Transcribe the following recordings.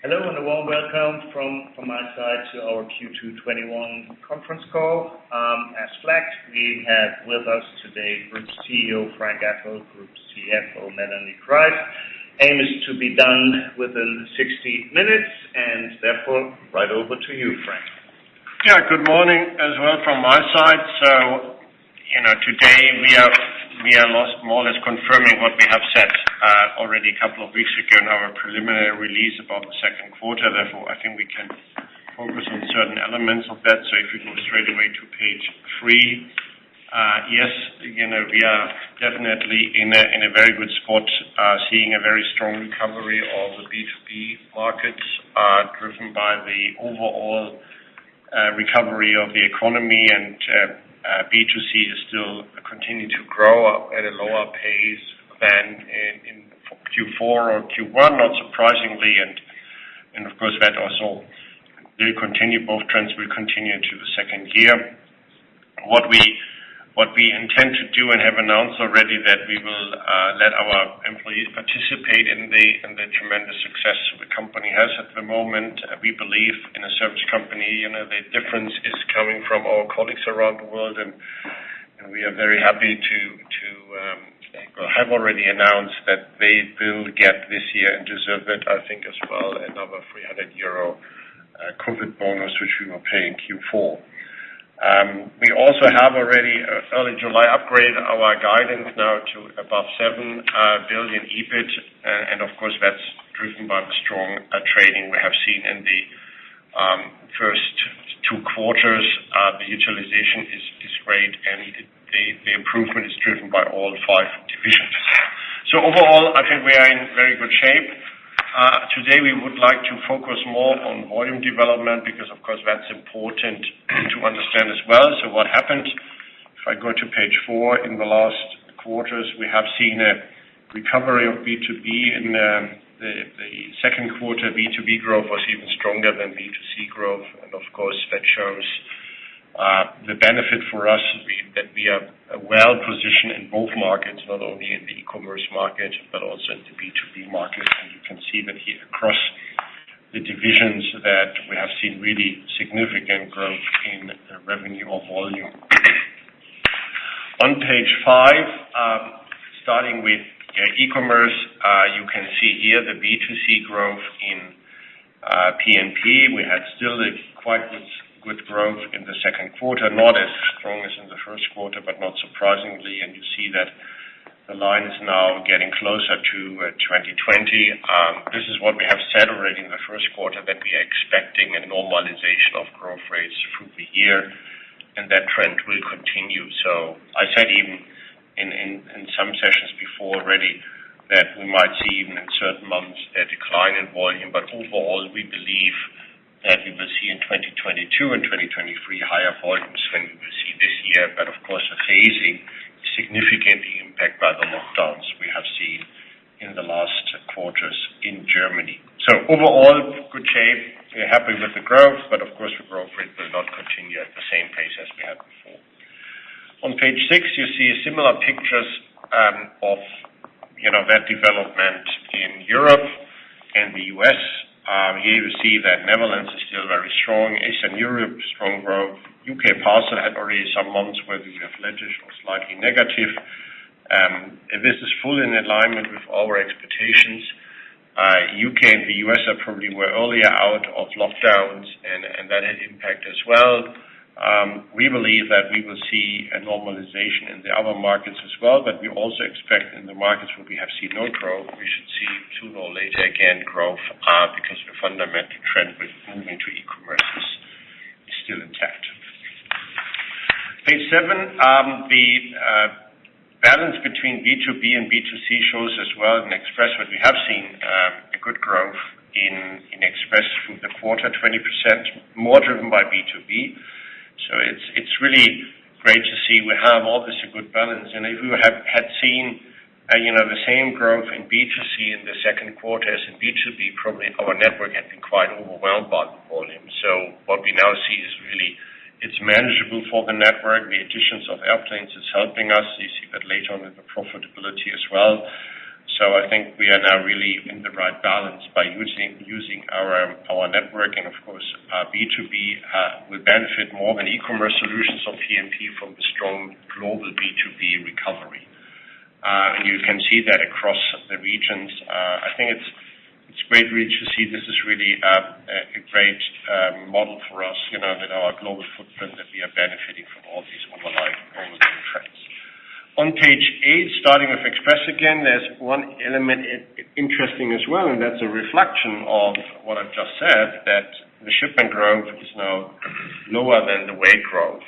Hello, and a warm welcome from my side to our Q2 2021 conference call. As flagged, we have with us today Group CEO, Frank Appel, Group CFO, Melanie Kreis. Aim is to be done within 60 minutes, and therefore, right over to you, Frank. Yeah. Good morning as well from my side. Today we are more or less confirming what we have said already a couple of weeks ago in our preliminary release about the second quarter. I think we can focus on certain elements of that. If you go straight away to Page 3. Yes, we are definitely in a very good spot, seeing a very strong recovery of the B2B markets, driven by the overall recovery of the economy, and B2C has still continued to grow up at a lower pace than in Q4 or Q1, not surprisingly. Of course, that also will continue. Both trends will continue into the second year. What we intend to do, and have announced already, that we will let our employees participate in the tremendous success the company has at the moment. We believe in a service company. The difference is coming from our colleagues around the world. We are very happy to have already announced that they will get this year, and deserve it, I think as well, another 300 euro COVID bonus, which we will pay in Q4. We also have already, early July, upgraded our guidance now to above 7 billion EBIT. Of course, that's driven by the strong trading we have seen in the first two quarters. The utilization is great. The improvement is driven by all five divisions. Overall, I think we are in very good shape. Today, we would like to focus more on volume development because, of course, that's important to understand as well. What happened, if I go to page four, in the last quarters, we have seen a recovery of B2B. In the second quarter, B2B growth was even stronger than B2C growth. Of course, that shows the benefit for us that we are well-positioned in both markets, not only in the e-commerce market, but also in the B2B market. You can see that here across the divisions, that we have seen really significant growth in the revenue of volume. On Page 5, starting with e-commerce. You can see here the B2C growth in P&P. We had still a quite good growth in the second quarter. Not as strong as in the first quarter, but not surprisingly. You see that the line is now getting closer to 2020. This is what we have said already in the first quarter, that we are expecting a normalization of growth rates through the year, and that trend will continue. I said even in some sessions before already, that we might see even in certain months, a decline in volume. Overall, we believe that we will see in 2022 and 2023 higher volumes than we will see this year. Of course, the phasing is significantly impacted by the lockdowns we have seen in the last quarters in Germany. Overall, good shape. We are happy with the growth, but of course, the growth rate will not continue at the same pace as we had before. On Page 6, you see similar pictures of that development in Europe and the U.S. Here you see that Netherlands is still very strong. Eastern Europe, strong growth. U.K. parcel had already some months where we were flat-ish or slightly negative. This is fully in alignment with our expectations. U.K. and the U.S. probably were earlier out of lockdowns, and that had impact as well. We believe that we will see a normalization in the other markets as well. We also expect in the markets where we have seen no growth, we should see sooner or later again growth, because the fundamental trend with moving to e-commerce is still intact. Page 7. The balance between B2B and B2C shows as well in Express that we have seen a good growth in Express through the quarter, 20% more driven by B2B. It's really great to see we have obviously a good balance. If you had seen the same growth in B2C in the second quarter as in B2B, probably our network had been quite overwhelmed by the volume. What we now see is really it's manageable for the network. The additions of airplanes is helping us. You see that later on in the profitability as well. I think we are now really in the right balance by using our network. Of course, B2B will benefit more than e-commerce solutions of P&P from the strong global B2B recovery. You can see that across the regions. I think it's great reach to see. This is really a great model for us, that our global footprint, that we are benefiting from all these underlying trends. On page eight, starting with Express again, there's one element interesting as well, and that's a reflection of what I've just said, that the shipment growth is now lower than the weight growth.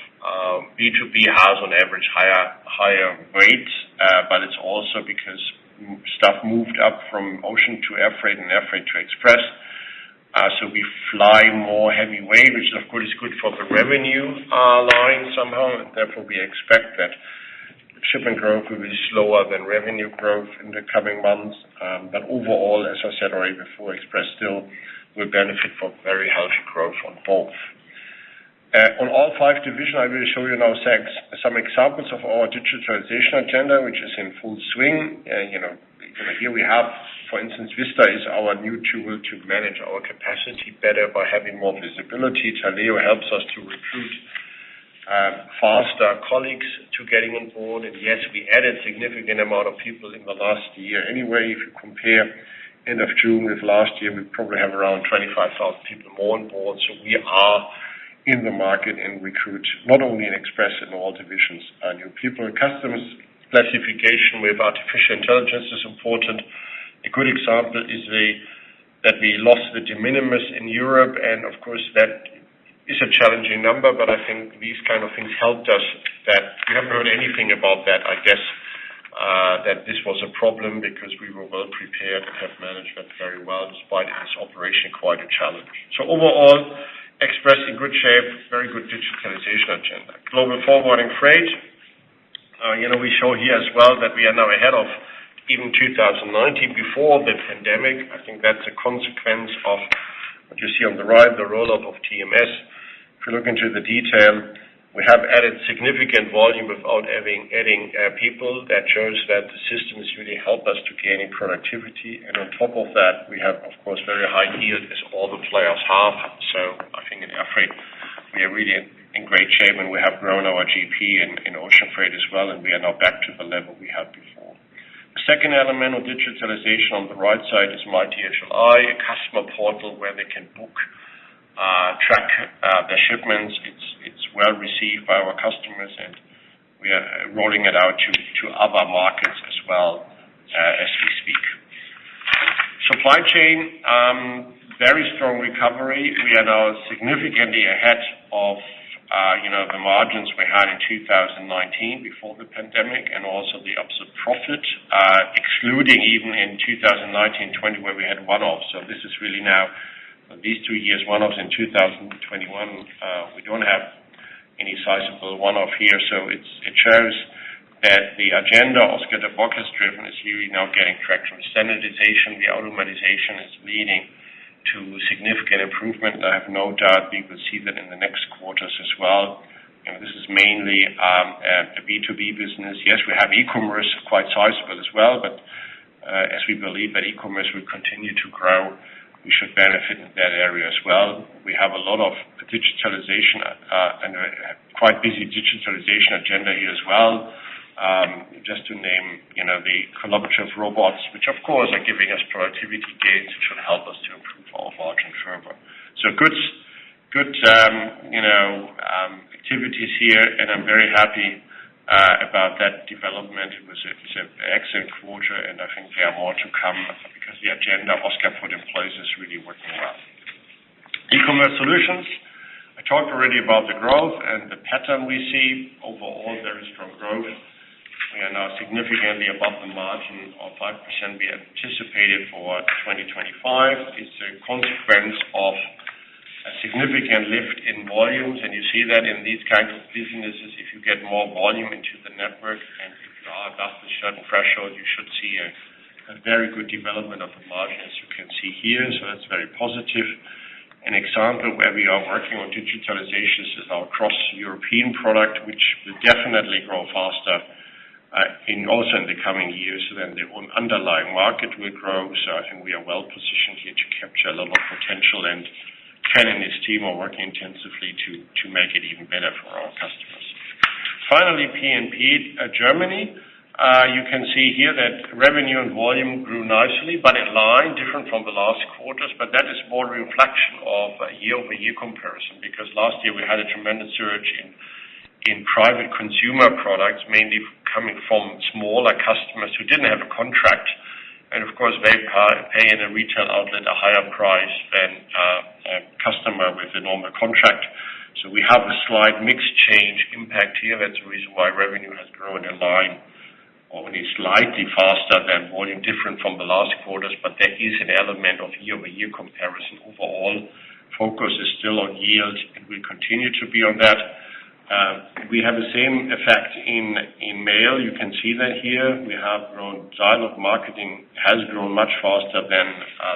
B2B has on average higher weight. It's also because stuff moved up from ocean to air freight and air freight to Express. We fly more heavyweight, which of course is good for the revenue line somehow, and therefore, we expect that shipping growth will be slower than revenue growth in the coming months. Overall, as I said already before, Express still will benefit from very healthy growth on both. On all five divisions, I will show you now some examples of our digitalization agenda, which is in full swing. Here we have, for instance, Vista is our new tool to manage our capacity better by having more visibility. Taleo helps us to recruit faster colleagues to getting on board. Yes, we added significant amount of people in the last year anyway. If you compare end of June with last year, we probably have around 25,000 people more on board. We are in the market and recruit, not only in Express, in all divisions, new people. Customers classification with artificial intelligence is important. A good example is that we lost the de minimis in Europe, and of course, that is a challenging number, but I think these kind of things helped us that we haven't heard anything about that, I guess, that this was a problem because we were well-prepared and have managed that very well, despite as operation, quite a challenge. Overall, Express in good shape, very good digitalization agenda. Global Forwarding Freight. We show here as well that we are now ahead of even 2019 before the pandemic. I think that's a consequence of what you see on the right, the roll-up of TMS. If you look into the detail, we have added significant volume without adding people. That shows that the system has really helped us to gain in productivity. On top of that, we have, of course, very high yield as all the players have. I think in air freight, we are really in great shape, and we have grown our GP in ocean freight as well, and we are now back to the level we had before. The second element of digitalization on the right side is MyDHL+, a customer portal where they can book, track their shipments. It's well-received by our customers, and we are rolling it out to other markets as well as we speak. Supply chain, very strong recovery. We are now significantly ahead of the margins we had in 2019 before the pandemic, and also the absolute profit, excluding even in 2019, 2020, where we had one-offs. This is really now these two years one-offs in 2021. We don't have any sizable one-off here. It shows that the agenda Oscar de Bok is driven, is really now getting traction. The standardization, the automatization is leading to significant improvement. I have no doubt we will see that in the next quarters as well. This is mainly the B2B business. Yes, we have e-commerce, quite sizable as well, as we believe that e-commerce will continue to grow, we should benefit in that area as well. We have a lot of digitalization and a quite busy digitalization agenda here as well. Just to name the collaborative robots, which of course are giving us productivity gains, which will help us to improve our margin further. Good activities here, and I'm very happy about that development. It was an excellent quarter, and I think there are more to come because the agenda Oscar put in place is really working well. E-commerce Solutions. I talked already about the growth and the pattern we see. Overall, very strong growth. We are now significantly above the margin of 5% we anticipated for 2025. It's a consequence of a significant lift in volumes. You see that in these kinds of businesses, if you get more volume into the network and if you are above a certain threshold, you should see a very good development of the margin, as you can see here. That's very positive. An example where we are working on digitalizations is our cross-European product, which will definitely grow faster also in the coming years than the underlying market will grow. I think we are well-positioned here to capture a lot of potential, and Ken and his team are working intensively to make it even better for our customers. Finally, P&P Germany. You can see here that revenue and volume grew nicely in line, different from the last quarters. That is more a reflection of a year-over-year comparison, because last year we had a tremendous surge in private consumer products, mainly coming from smaller customers who didn't have a contract. Of course, they pay in a retail outlet a higher price than a customer with a normal contract. We have a slight mix change impact here. That's the reason why revenue has grown in line, only slightly faster than volume different from the last quarters. That is an element of year-over-year comparison. Overall, focus is still on yield, and we continue to be on that. We have the same effect in mail. You can see that here. We have grown. Dialog marketing has grown much faster than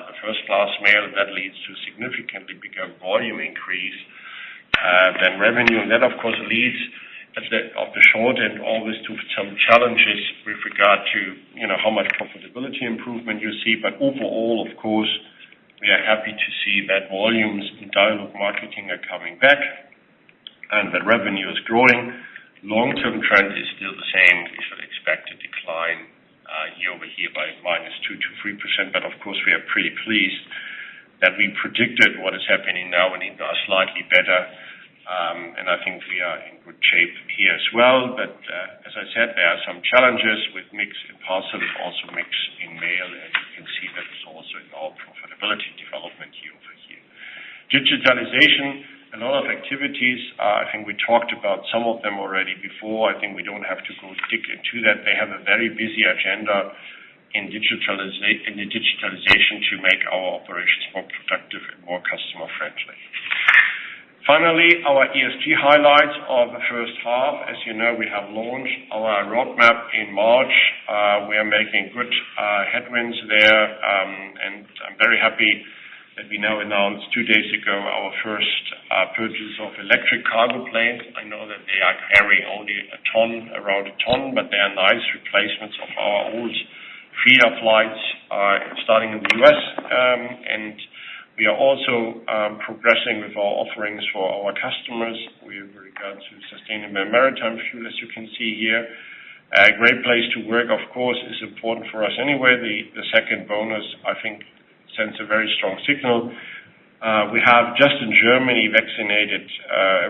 the first-class mail. That leads to significantly bigger volume increase than revenue. That, of course, leads, at the short end, always to some challenges with regard to how much profitability improvement you see. Overall, of course, we are happy to see that volumes in dialog marketing are coming back and that revenue is growing. Long-term trend is still the same. We should expect a decline year-over-year by -2% to -3%. Of course, we are pretty pleased that we predicted what is happening now and even are slightly better. I think we are in good shape here as well. As I said, there are some challenges with mix in parcel, also mix in mail, and you can see that is also in our profitability development year-over-year. Digitalization. A lot of activities. I think we talked about some of them already before. I think we don't have to go deeply into that. They have a very busy agenda in the digitalization to make our operations more productive and more customer-friendly. Finally, our ESG highlights of the first half. As you know, we have launched our roadmap in March. We are making good headwinds there. I'm very happy that we now announced two days ago our first purchase of electric cargo planes. I know that they are carrying only around 1 ton, but they are nice replacements of our old feeder flights, starting in the U.S. We are also progressing with our offerings for our customers with regard to sustainable maritime fuel, as you can see here. A great place to work, of course, is important for us anyway. The second bonus, I think, sends a very strong signal. We have, just in Germany, vaccinated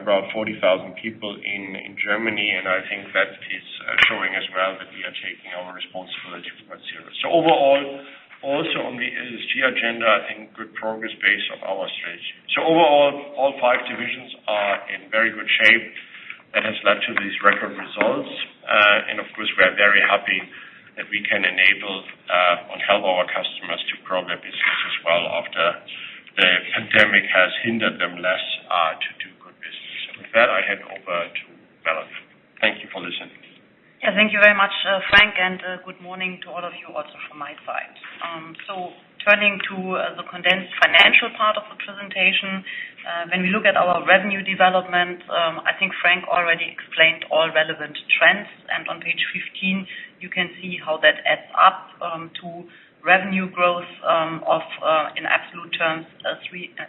around 40,000 people in Germany, and I think that is showing as well that we are taking our responsibility quite serious. Overall, also on the ESG agenda, I think good progress based on our strategy. Overall, all five divisions are in very good shape. That has led to these record results. Of course, we are very happy that we can enable and help our customers to grow their business as well after the pandemic has hindered them less to do good business. With that, I hand over to Melanie. Thank you for listening. Yeah, thank you very much, Frank. Good morning to all of you also from my side. Turning to the condensed financial part of the presentation. When we look at our revenue development, I think Frank already explained all relevant trends. On Page 15, you can see how that adds up to revenue growth of, in absolute terms, 3.5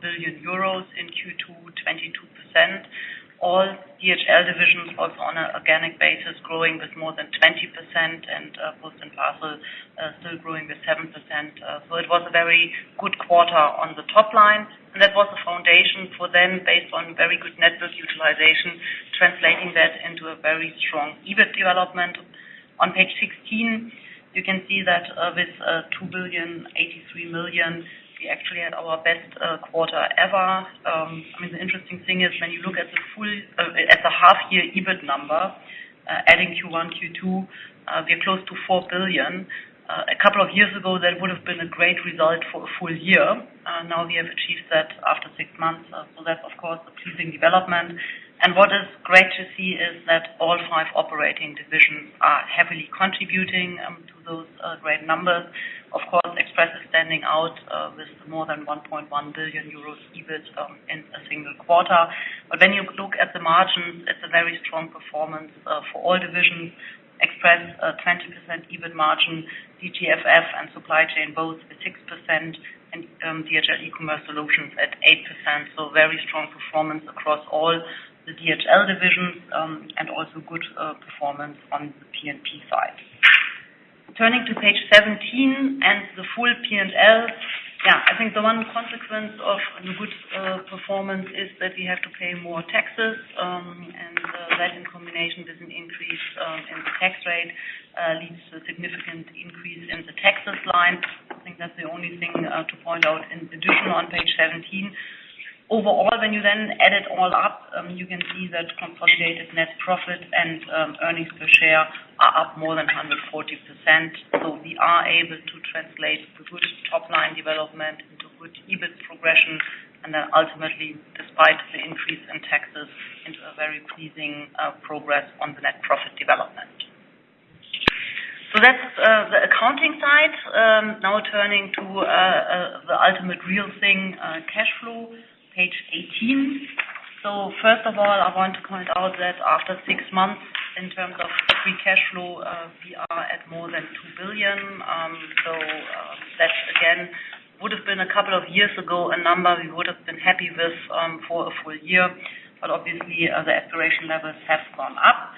billion euros in Q2, 22%. All DHL divisions also on an organic basis growing with more than 20% and Post and Parcel still growing with 7%. It was a very good quarter on the top line, and that was the foundation for them based on very good network utilization, translating that into a very strong EBIT development. On Page 16, you can see that with 2 billion, 83 million, we actually had our best quarter ever. I mean, the interesting thing is when you look at the half-year EBIT number, adding Q1, Q2, we are close to 4 billion. A couple of years ago, that would have been a great result for a full year. Now we have achieved that after six months. That's, of course, a pleasing development. What is great to see is that all five operating divisions are heavily contributing to those great numbers. Of course, Express is standing out with more than 1.1 billion euros EBIT in a single quarter. When you look at the margins, it's a very strong performance for all divisions. Express, 20% EBIT margin, DGFF and Supply Chain both with 6% and DHL eCommerce Solutions at 8%. Very strong performance across all the DHL divisions, and also good performance on the P&P side. Turning to Page 17 and the full P&L. Yeah, I think the one consequence of a good performance is that we have to pay more taxes. That in combination with an increase in the tax rate, leads to a significant increase in the taxes line. I think that's the only thing to point out in addition on Page 17. Overall, when you add it all up, you can see that consolidated net profit and earnings per share are up more than 140%. We are able to translate the good top-line development into good EBIT progression and ultimately, despite the increase in taxes, into a very pleasing progress on the net profit development. That's the accounting side. Now turning to the ultimate real thing, cash flow, Page 18. First of all, I want to point out that after six months in terms of free cash flow, we are at more than 2 billion. That again, would have been a couple of years ago, a number we would have been happy with for a full year. Obviously, the aspiration levels have gone up.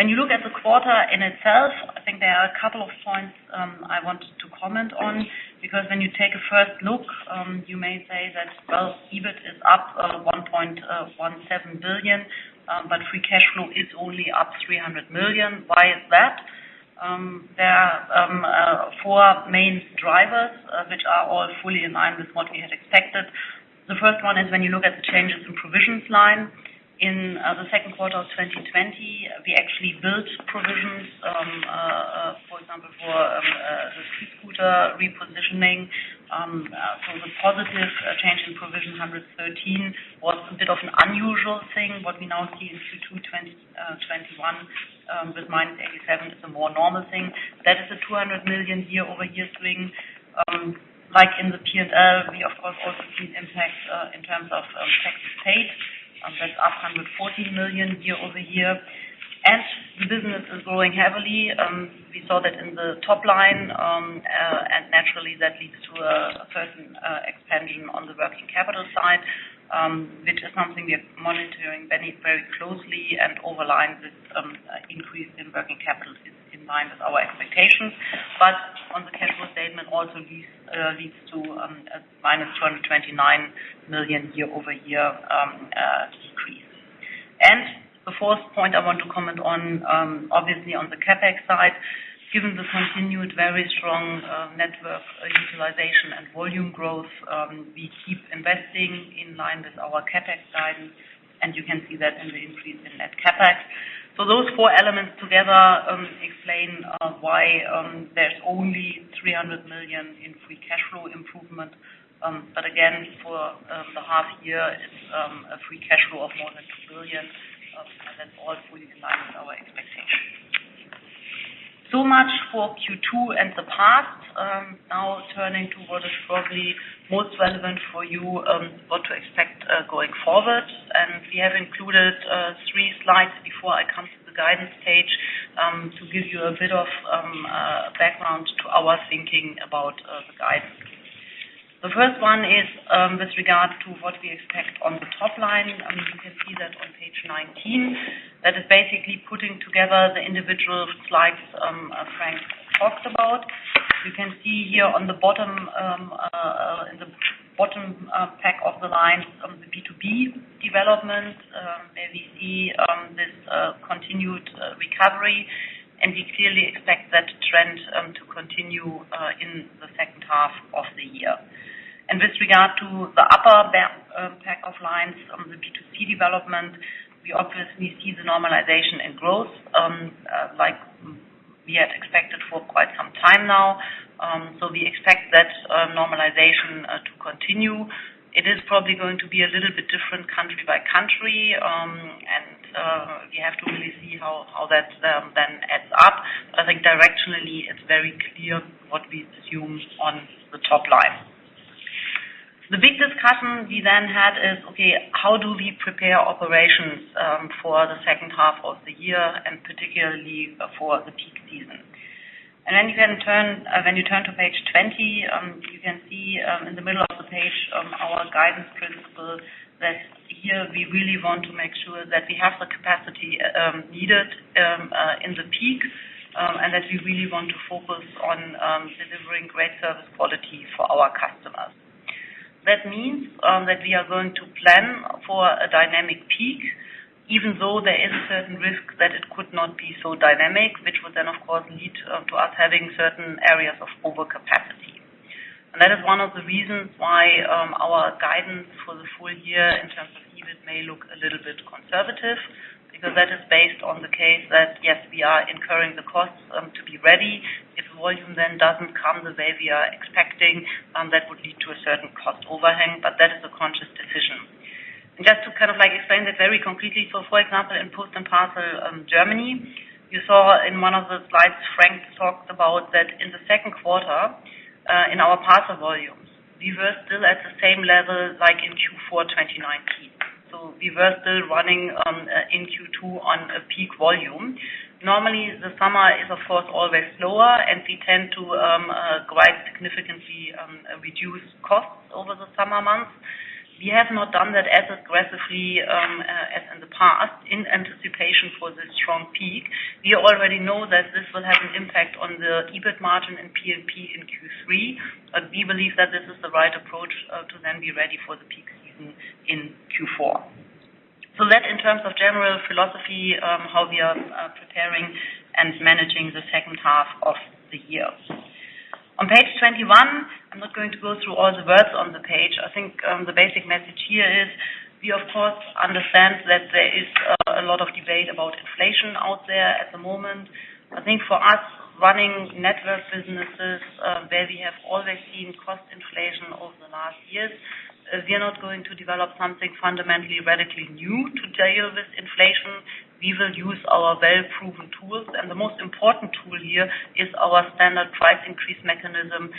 When you look at the quarter in itself, I think there are a couple of points I wanted to comment on, because when you take a first look, you may say that, well, EBIT is up 1.17 billion, but free cash flow is only up 300 million. Why is that? There are four main drivers which are all fully in line with what we had expected. The first one is when you look at the changes in provisions line. In the second quarter of 2020, we actually built provisions, for example, for the StreetScooter repositioning. The positive change in provision 113 was a bit of an unusual thing. What we now see in Q2 2021 with -87 is a more normal thing. That is a 200 million year-over-year swing. Like in the P&L, we of course also see an impact in terms of taxes paid. That's up 140 million year-over-year. The business is growing heavily. We saw that in the top line, naturally that leads to a certain expansion on the working capital side, which is something we are monitoring very closely and over line with increase in working capital is in line with our expectations. On the cash flow statement also leads to a -229 million year-over-year decrease. The fourth point I want to comment on, obviously on the CapEx side, given the continued very strong network utilization and volume growth, we keep investing in line with our CapEx guidance, and you can see that in the increase in net CapEx. Those four elements together explain why there's only 300 million in free cash flow improvement. Again, for the half year, it's a free cash flow of more than 2 billion, and that's all fully in line with our expectations. Much for Q2 and the past. Now turning to what is probably most relevant for you, what to expect going forward. We have included three slides before I come to the guidance page, to give you a bit of background to our thinking about the guidance. The first one is with regard to what we expect on the top line. You can see that on Page 19. That is basically putting together the individual slides Frank talked about. You can see here in the bottom pack of lines, the B2B development, where we see this continued recovery. We clearly expect that trend to continue in the second half of the year. With regard to the upper pack of lines on the B2C development, we obviously see the normalization in growth, like we had expected for quite some time now. We expect that normalization to continue. It is probably going to be a little bit different country by country. We have to really see how that adds up. I think directionally it's very clear what we assume on the top line. The big discussion we had is, okay, how do we prepare operations for the second half of the year and particularly for the peak season? When you turn to Page 20, you can see in the middle of the page, our guidance principle that here we really want to make sure that we have the capacity needed in the peak, and that we really want to focus on delivering great service quality for our customers. That means that we are going to plan for a dynamic peak, even though there is a certain risk that it could not be so dynamic, which would then of course lead to us having certain areas of overcapacity. That is one of the reasons why our guidance for the full year in terms of EBIT may look a little bit conservative, because that is based on the case that, yes, we are incurring the costs to be ready. If volume then doesn't come the way we are expecting, that would lead to a certain cost overhang. That is a conscious decision. Just to kind of explain that very concretely. For example, in Post and Parcel Germany, you saw in one of the slides Frank talked about that in the second quarter, in our parcel volumes, we were still at the same level like in Q4 2019. We were still running in Q2 on a peak volume. Normally the summer is of course always slower, and we tend to quite significantly reduce costs over the summer months. We have not done that as aggressively as in the past in anticipation for the strong peak. We already know that this will have an impact on the EBIT margin and P&P in Q3, we believe that this is the right approach to then be ready for the peak season in Q4. That in terms of general philosophy, how we are preparing and managing the second half of the year. On Page 21, I'm not going to go through all the words on the page. I think the basic message here is we of course understand that there is a lot of debate about inflation out there at the moment. I think for us running network businesses where we have always seen cost inflation over the last years, we are not going to develop something fundamentally radically new to deal with inflation. We will use our well-proven tools. The most important tool here is our standard price increase mechanism,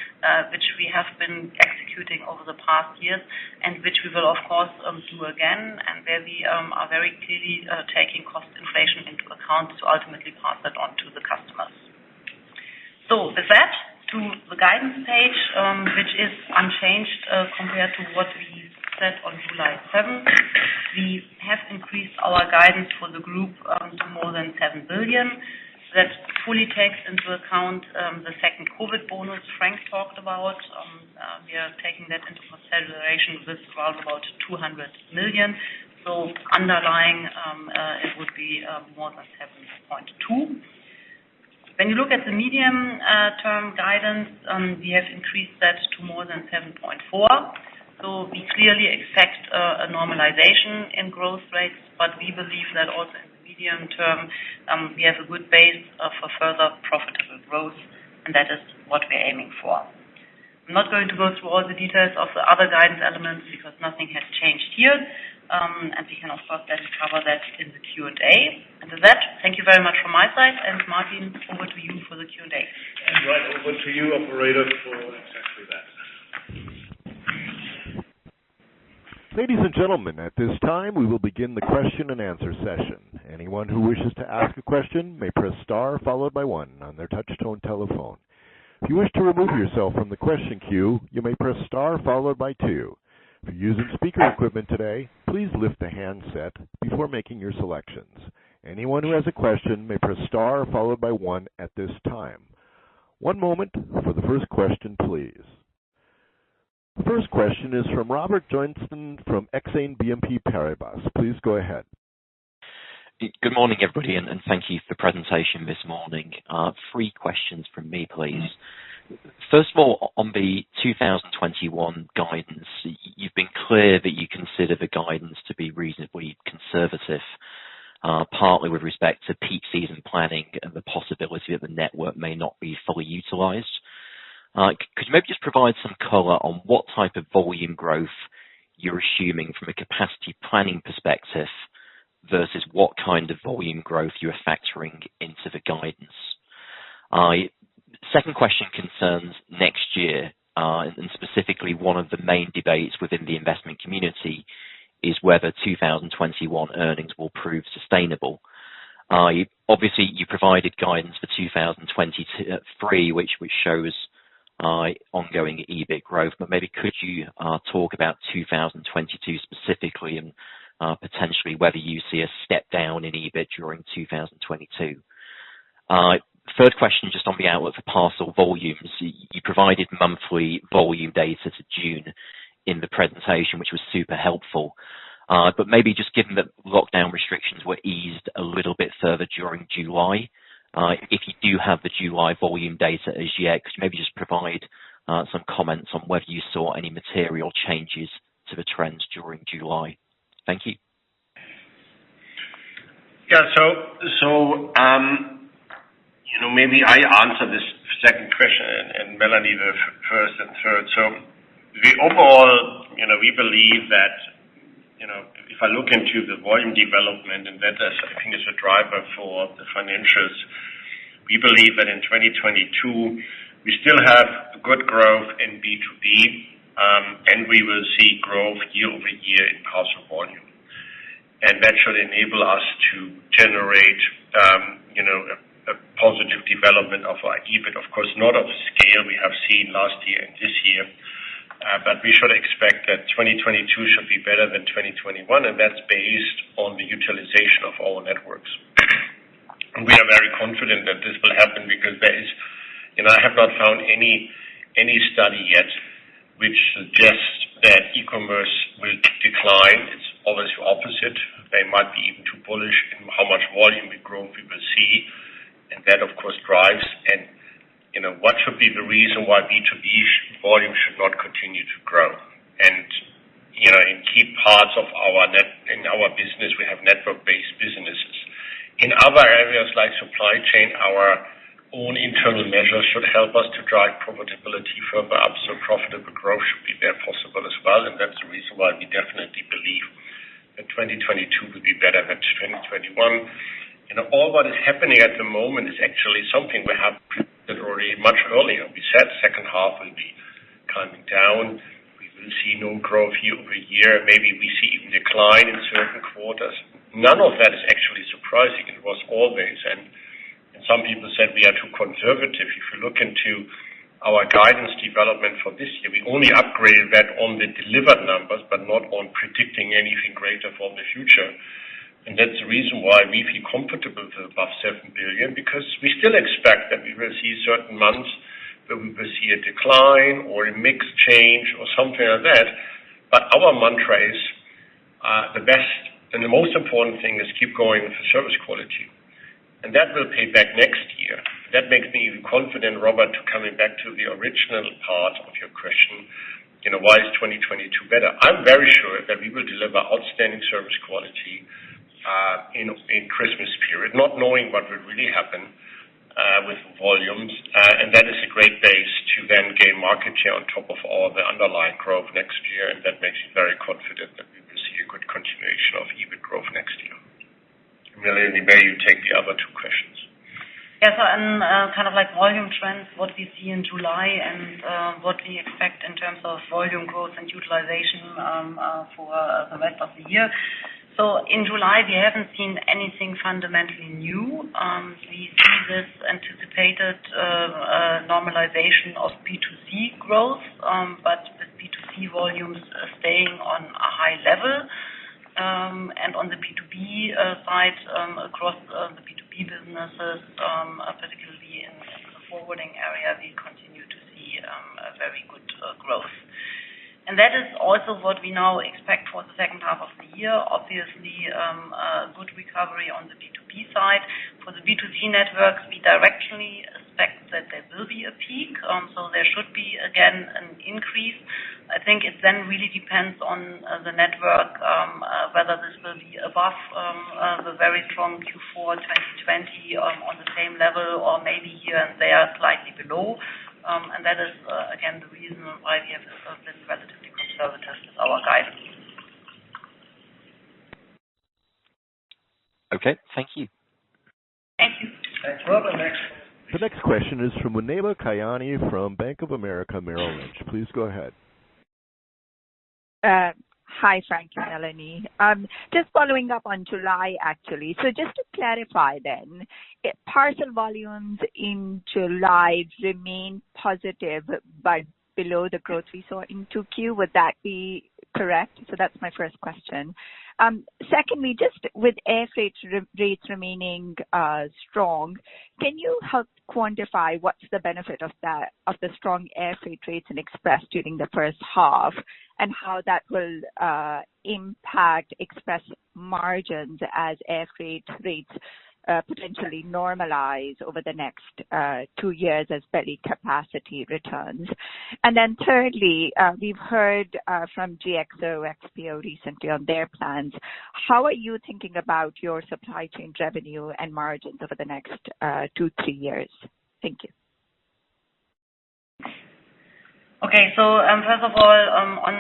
which we have been executing over the past years, and which we will of course do again, and where we are very clearly taking cost inflation into account to ultimately pass that on to the customers. With that, to the guidance page, which is unchanged compared to what we said on July 7th. We have increased our guidance for the group to more than 7 billion. That fully takes into account the second COVID bonus Frank talked about. We are taking that into consideration. This was about 200 million. Underlying, it would be more than 7.2 billion. When you look at the medium-term guidance, we have increased that to more than 7.4 billion. We clearly expect a normalization in growth rates. We believe that also in the medium term, we have a good base for further profitable growth, and that is what we're aiming for. I'm not going to go through all the details of the other guidance elements because nothing has changed here. We can of course then cover that in the Q&A. With that, thank you very much from my side and Martin, over to you for the Q&A. Right over to you, operator, for exactly that. Ladies and gentlemen, at this time, we will begin the question and answer session. Anyone who wishes to ask a question may press star followed by one on their touch-tone telephone. If you wish to remove yourself from the question queue, you may press star followed by two. If you're using speaker equipment today, please lift the handset before making your selections. Anyone who has a question may press star followed by one at this time. One moment for the first question, please. The first question is from Robert Joynson from Exane BNP Paribas. Please go ahead. Good morning, everybody. Thank you for the presentation this morning. Three questions from me, please. First of all, on the 2021 guidance, you've been clear that you consider the guidance to be reasonably conservative, partly with respect to peak season planning and the possibility that the network may not be fully utilized. Could you maybe just provide some color on what type of volume growth you're assuming from a capacity planning perspective versus what kind of volume growth you are factoring into the guidance? Second question concerns next year. Specifically one of the main debates within the investment community is whether 2021 earnings will prove sustainable. Obviously, you provided guidance for 2023, which shows ongoing EBIT growth. Maybe could you talk about 2022 specifically, and potentially whether you see a step down in EBIT during 2022? Third question, just on the outlook for parcel volume. You provided monthly volume data to June in the presentation, which was super helpful. Maybe just given that lockdown restrictions were eased a little bit further during July, if you do have the July volume data as yet, could you maybe just provide some comments on whether you saw any material changes to the trends during July? Thank you. Maybe I answer this second question, and Melanie, the first and third. The overall, we believe that if I look into the volume development, and that is, I think, is a driver for the financials. We believe that in 2022, we still have good growth in B2B, and we will see growth year-over-year in parcel volume. That should enable us to generate a positive development of our EBIT. Of course, not of the scale we have seen last year and this year. We should expect that 2022 should be better than 2021, and that's based on the utilization of our networks. We are very confident that this will happen because I have not found any study yet which suggests that e-commerce will decline. It's always the opposite. They might be even too bullish in how much volume and growth we will see, and that, of course, drives. What should be the reason why B2B volume should not continue to grow? In key parts of our business, we have network-based businesses. In other areas like Supply Chain, our own internal measures should help us to drive profitability further up. Profitable growth should be there possible as well, and that's the reason why we definitely believe that 2022 will be better than 2021. All what is happening at the moment is actually something we have predicted already much earlier. We said second half will be climbing down. We will see no growth year-over-year. Maybe we see even decline in certain quarters. None of that is actually surprising. It was always, and some people said we are too conservative. If you look into our guidance development for this year, we only upgraded that on the delivered numbers, but not on predicting anything greater for the future. That's the reason why we feel comfortable with above 7 billion, because we still expect that we will see certain months where we will see a decline or a mix change or something like that. Our mantra is, the best and the most important thing is keep going for service quality, and that will pay back next year. That makes me even confident, Robert, to coming back to the original part of your question, why is 2022 better? I'm very sure that we will deliver outstanding service quality in Christmas period, not knowing what would really happen with volumes. That is a great base to then gain market share on top of all the underlying growth next year. That makes me very confident that we will see a good continuation of EBIT growth next year. Melanie, may you take the other two questions? On kind of volume trends, what we see in July, and what we expect in terms of volume growth and utilization for the rest of the year. In July, we haven't seen anything fundamentally new. We see this anticipated normalization of B2C growth, with B2C volumes staying on a high level. On the B2B side, across the B2B businesses, particularly in the forwarding area, we continue to see very good growth. That is also what we now expect for the second half of the year. Obviously, good recovery on the B2B side. For the B2C networks, we directionally expect that there will be a peak. There should be, again, an increase. I think it then really depends on the network, whether this will be above the very strong Q4 2020, on the same level, or maybe here and there, slightly below. That is, again, the reason why we have been relatively conservative with our guidance. Okay. Thank you. Thank you. Thanks. Robert, next. The next question is from Muneeba Kayani from Bank of America, Merrill Lynch. Please go ahead. Hi, Frank and Melanie. Just following up on July, actually. Just to clarify then, parcel volumes in July remain positive, but below the growth we saw in Q2. Would that be correct? That's my first question. Secondly, just with air freight rates remaining strong, can you help quantify what's the benefit of the strong air freight rates in Express during the first half? How that will impact Express margins as air freight rates potentially normalize over the next two years as belly capacity returns? Thirdly, we've heard from GXO XPO recently on their plans. How are you thinking about your supply chain revenue and margins over the next two, three years? Thank you. Okay. First of all,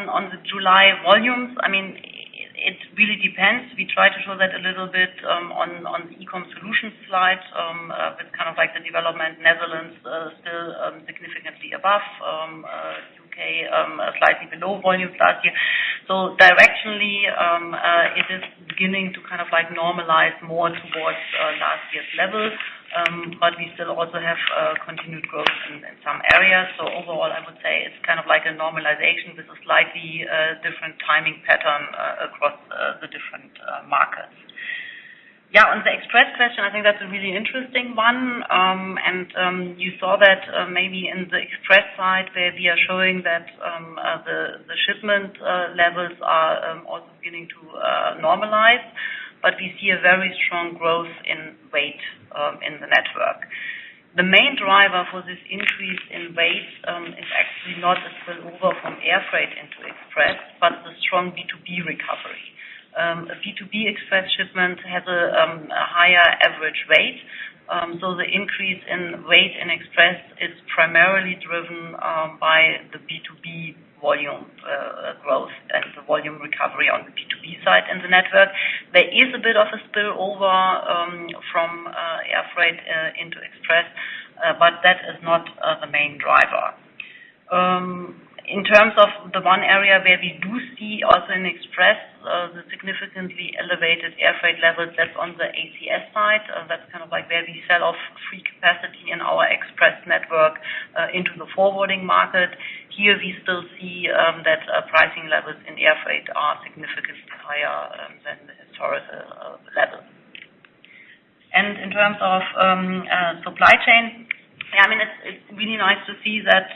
on the July volumes, it really depends. We try to show that a little bit on e-com solution slides, with the development, Netherlands still significantly above, U.K. slightly below volume last year. Directionally, it is beginning to normalize more towards last year's levels. We still also have continued growth in some areas. Overall, I would say it's like a normalization with a slightly different timing pattern across the different markets. On the Express question, I think that's a really interesting one. You saw that maybe in the Express side, where we are showing that the shipment levels are also beginning to normalize, but we see a very strong growth in weight in the network. The main driver for this increase in weight is actually not the spillover from air freight into Express, but the strong B2B recovery. A B2B Express shipment has a higher average weight. The increase in weight in Express is primarily driven by the B2B volume growth as the volume recovery on the B2B side in the network. There is a bit of a spillover from air freight into Express, that is not the main driver. In terms of the one area where we do see also in Express, the significantly elevated air freight levels, that's on the ESS side. That's where we sell off free capacity in our Express network, into the forwarding market. Here we still see that pricing levels in air freight are significantly higher than the historical level. In terms of supply chain, it's really nice to see that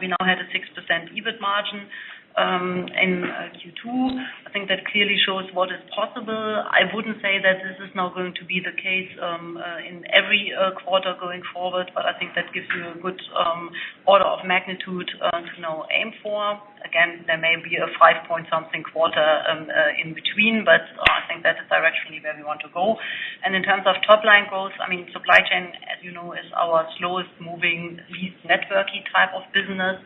we now had a 6% EBIT margin in Q2. I think that clearly shows what is possible. I wouldn't say that this is now going to be the case in every quarter going forward, but I think that gives you a good order of magnitude to now aim for. Again, there may be a five-point something quarter in between, but I think that is directionally where we want to go. In terms of top-line goals, Supply Chain, as you know, is our slowest moving, least network-y type of business.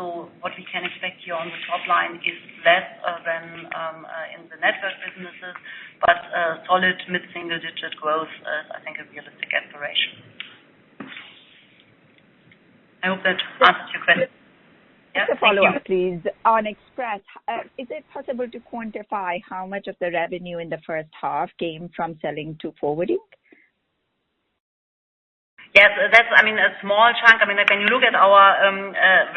What we can expect here on the top line is less than in the network businesses, but a solid mid-single-digit growth is, I think, a realistic aspiration. I hope that answers your question. Just a follow-up, please. On Express, is it possible to quantify how much of the revenue in the first half came from selling to forwarding? Yes, that's a small chunk. When you look at our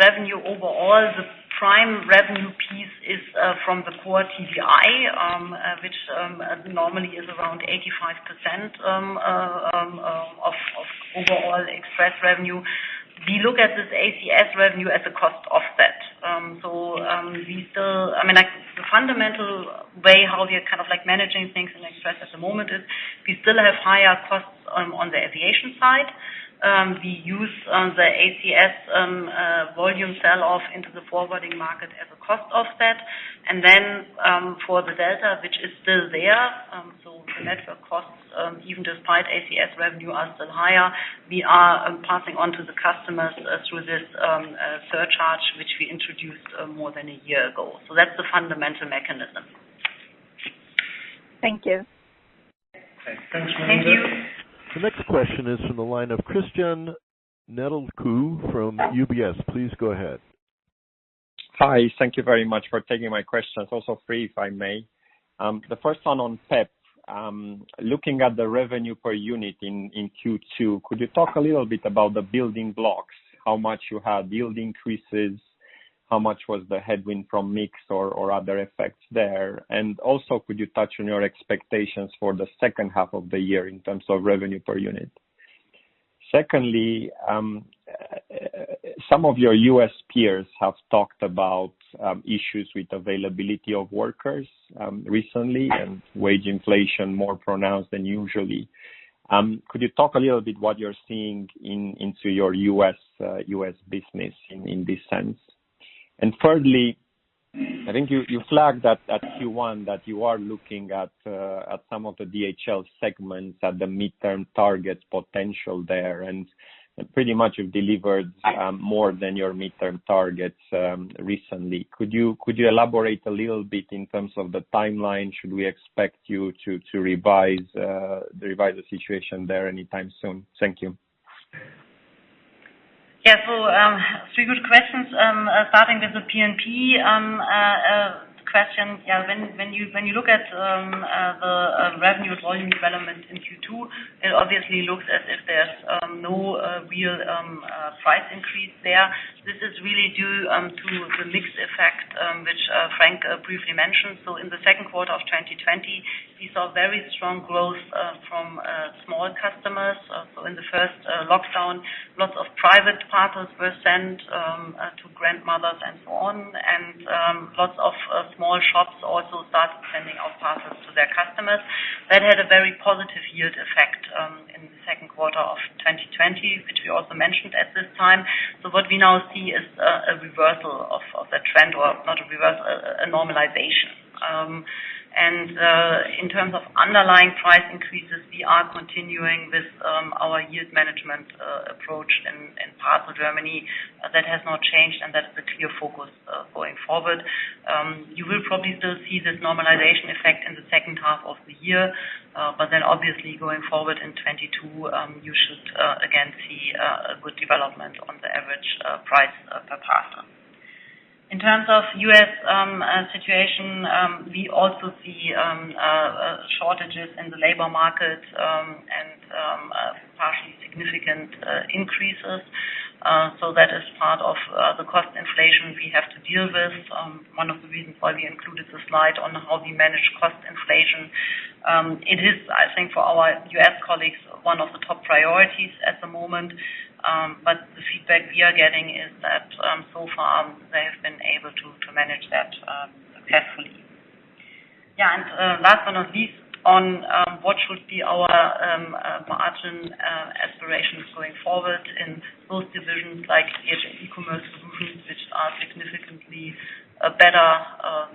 revenue overall, the prime revenue piece is from the core TDI, which normally is around 85% of overall Express revenue. We look at this ACS revenue as a cost offset. The fundamental way how we are managing things in Express at the moment is we still have higher costs on the aviation side. We use the ACS volume sell-off into the forwarding market as a cost offset. For the delta, which is still there, so the network costs, even despite ACS revenue, are still higher. We are passing on to the customers through this surcharge, which we introduced more than a year ago. That's the fundamental mechanism. Thank you. Thank you. Thanks, Muneeba. The next question is from the line of Cristian Nedelcu from UBS. Please go ahead. Hi. Thank you very much for taking my questions. Also, three, if I may. The first one on P&P. Looking at the revenue per unit in Q2, could you talk a little bit about the building blocks, how much you had yield increases, how much was the headwind from mix or other effects there? Also, could you touch on your expectations for the second half of the year in terms of revenue per unit? Secondly, some of your U.S. peers have talked about issues with availability of workers recently and wage inflation more pronounced than usually. Could you talk a little what you're seeing into your U.S. business in this sense? Thirdly, I think you flagged at Q1 that you are looking at some of the DHL segments at the midterm targets potential there, and pretty much you've delivered more than your midterm targets recently. Could you elaborate a little bit in terms of the timeline? Should we expect you to revise the situation there anytime soon? Thank you. Yeah. Three good questions. Starting with the P&P question. Yeah, when you look at the revenue volume development in Q2, it obviously looks as if there's no real price increase there. This is really due to the mix effect, which Frank briefly mentioned. That had a very positive yield effect, which we also mentioned at this time. In the first lockdown, lots of private parcels were sent to grandmothers and so on, and lots of small shops also started sending out parcels to their customers. Then had a very positive yield effect in second quarter of 2020 as you already mention at this time. What we now see is a reversal of the trend, or not a reversal, a normalization. In terms of underlying price increases, we are continuing with our yield management approach in Parcel Germany. That has not changed, and that is the clear focus going forward. You will probably still see this normalization effect in the second half of the year. Obviously going forward in 2022, you should, again, see a good development on the average price per parcel. In terms of U.S. situation, we also see shortages in the labor market and partially significant increases. That is part of the cost inflation we have to deal with, one of the reasons why we included the slide on how we manage cost inflation. It is, I think, for our U.S. colleagues, one of the top priorities at the moment. The feedback we are getting is that so far, they have been able to manage that successfully. Yeah, last but not least, on what should be our margin aspirations going forward in both divisions like DHL eCommerce Solutions, which are significantly better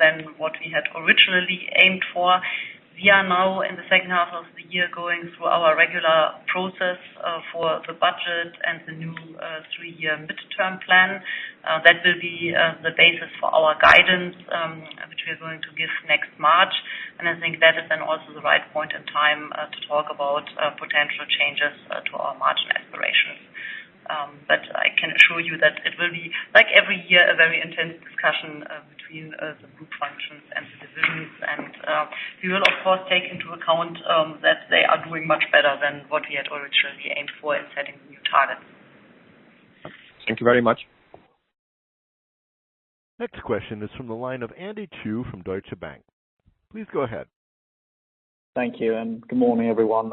than what we had originally aimed for. We are now in the second half of the year, going through our regular process for the budget and the new three-year midterm plan. That will be the basis for our guidance, which we are going to give next March. I think that is then also the right point in time to talk about potential changes to our margin aspirations. I can assure you that it will be, like every year, a very intense discussion between the group functions and the divisions. We will, of course, take into account that they are doing much better than what we had originally aimed for in setting the new targets. Thank you very much. Next question is from the line of Andy Chu from Deutsche Bank. Please go ahead. Thank you. Good morning, everyone.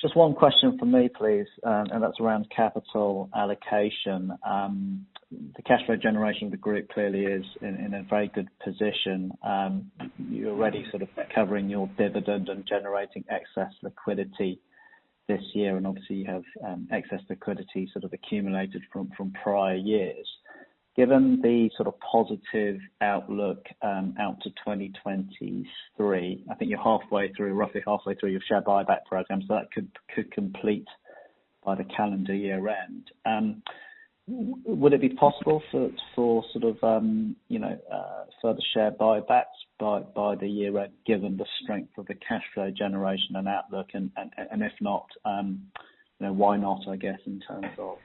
Just one question from me, please, and that's around capital allocation. The cash flow generation of the group clearly is in a very good position. You're already sort of covering your dividend and generating excess liquidity this year, and obviously you have excess liquidity sort of accumulated from prior years. Given the sort of positive outlook out to 2023, I think you're roughly halfway through your share buyback program, so that could complete by the calendar year-end. Would it be possible for further share buybacks by the year-end given the strength of the cash flow generation and outlook? If not, why not, I guess, in terms of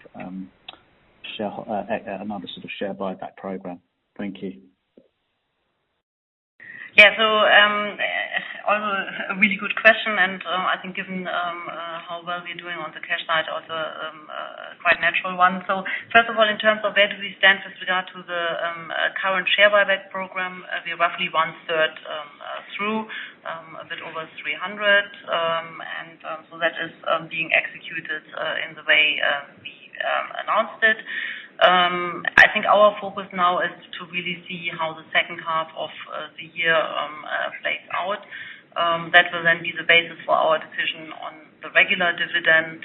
another sort of share buyback program? Thank you. Yeah. Also a really good question, I think given how well we're doing on the cash side, also quite a natural one. First of all, in terms of where do we stand with regard to the current share buyback program, we are roughly 1/3 through, a bit over 300, that is being executed in the way we announced it. I think our focus now is to really see how the second half of the year plays out. That will be the basis for our decision on the regular dividend.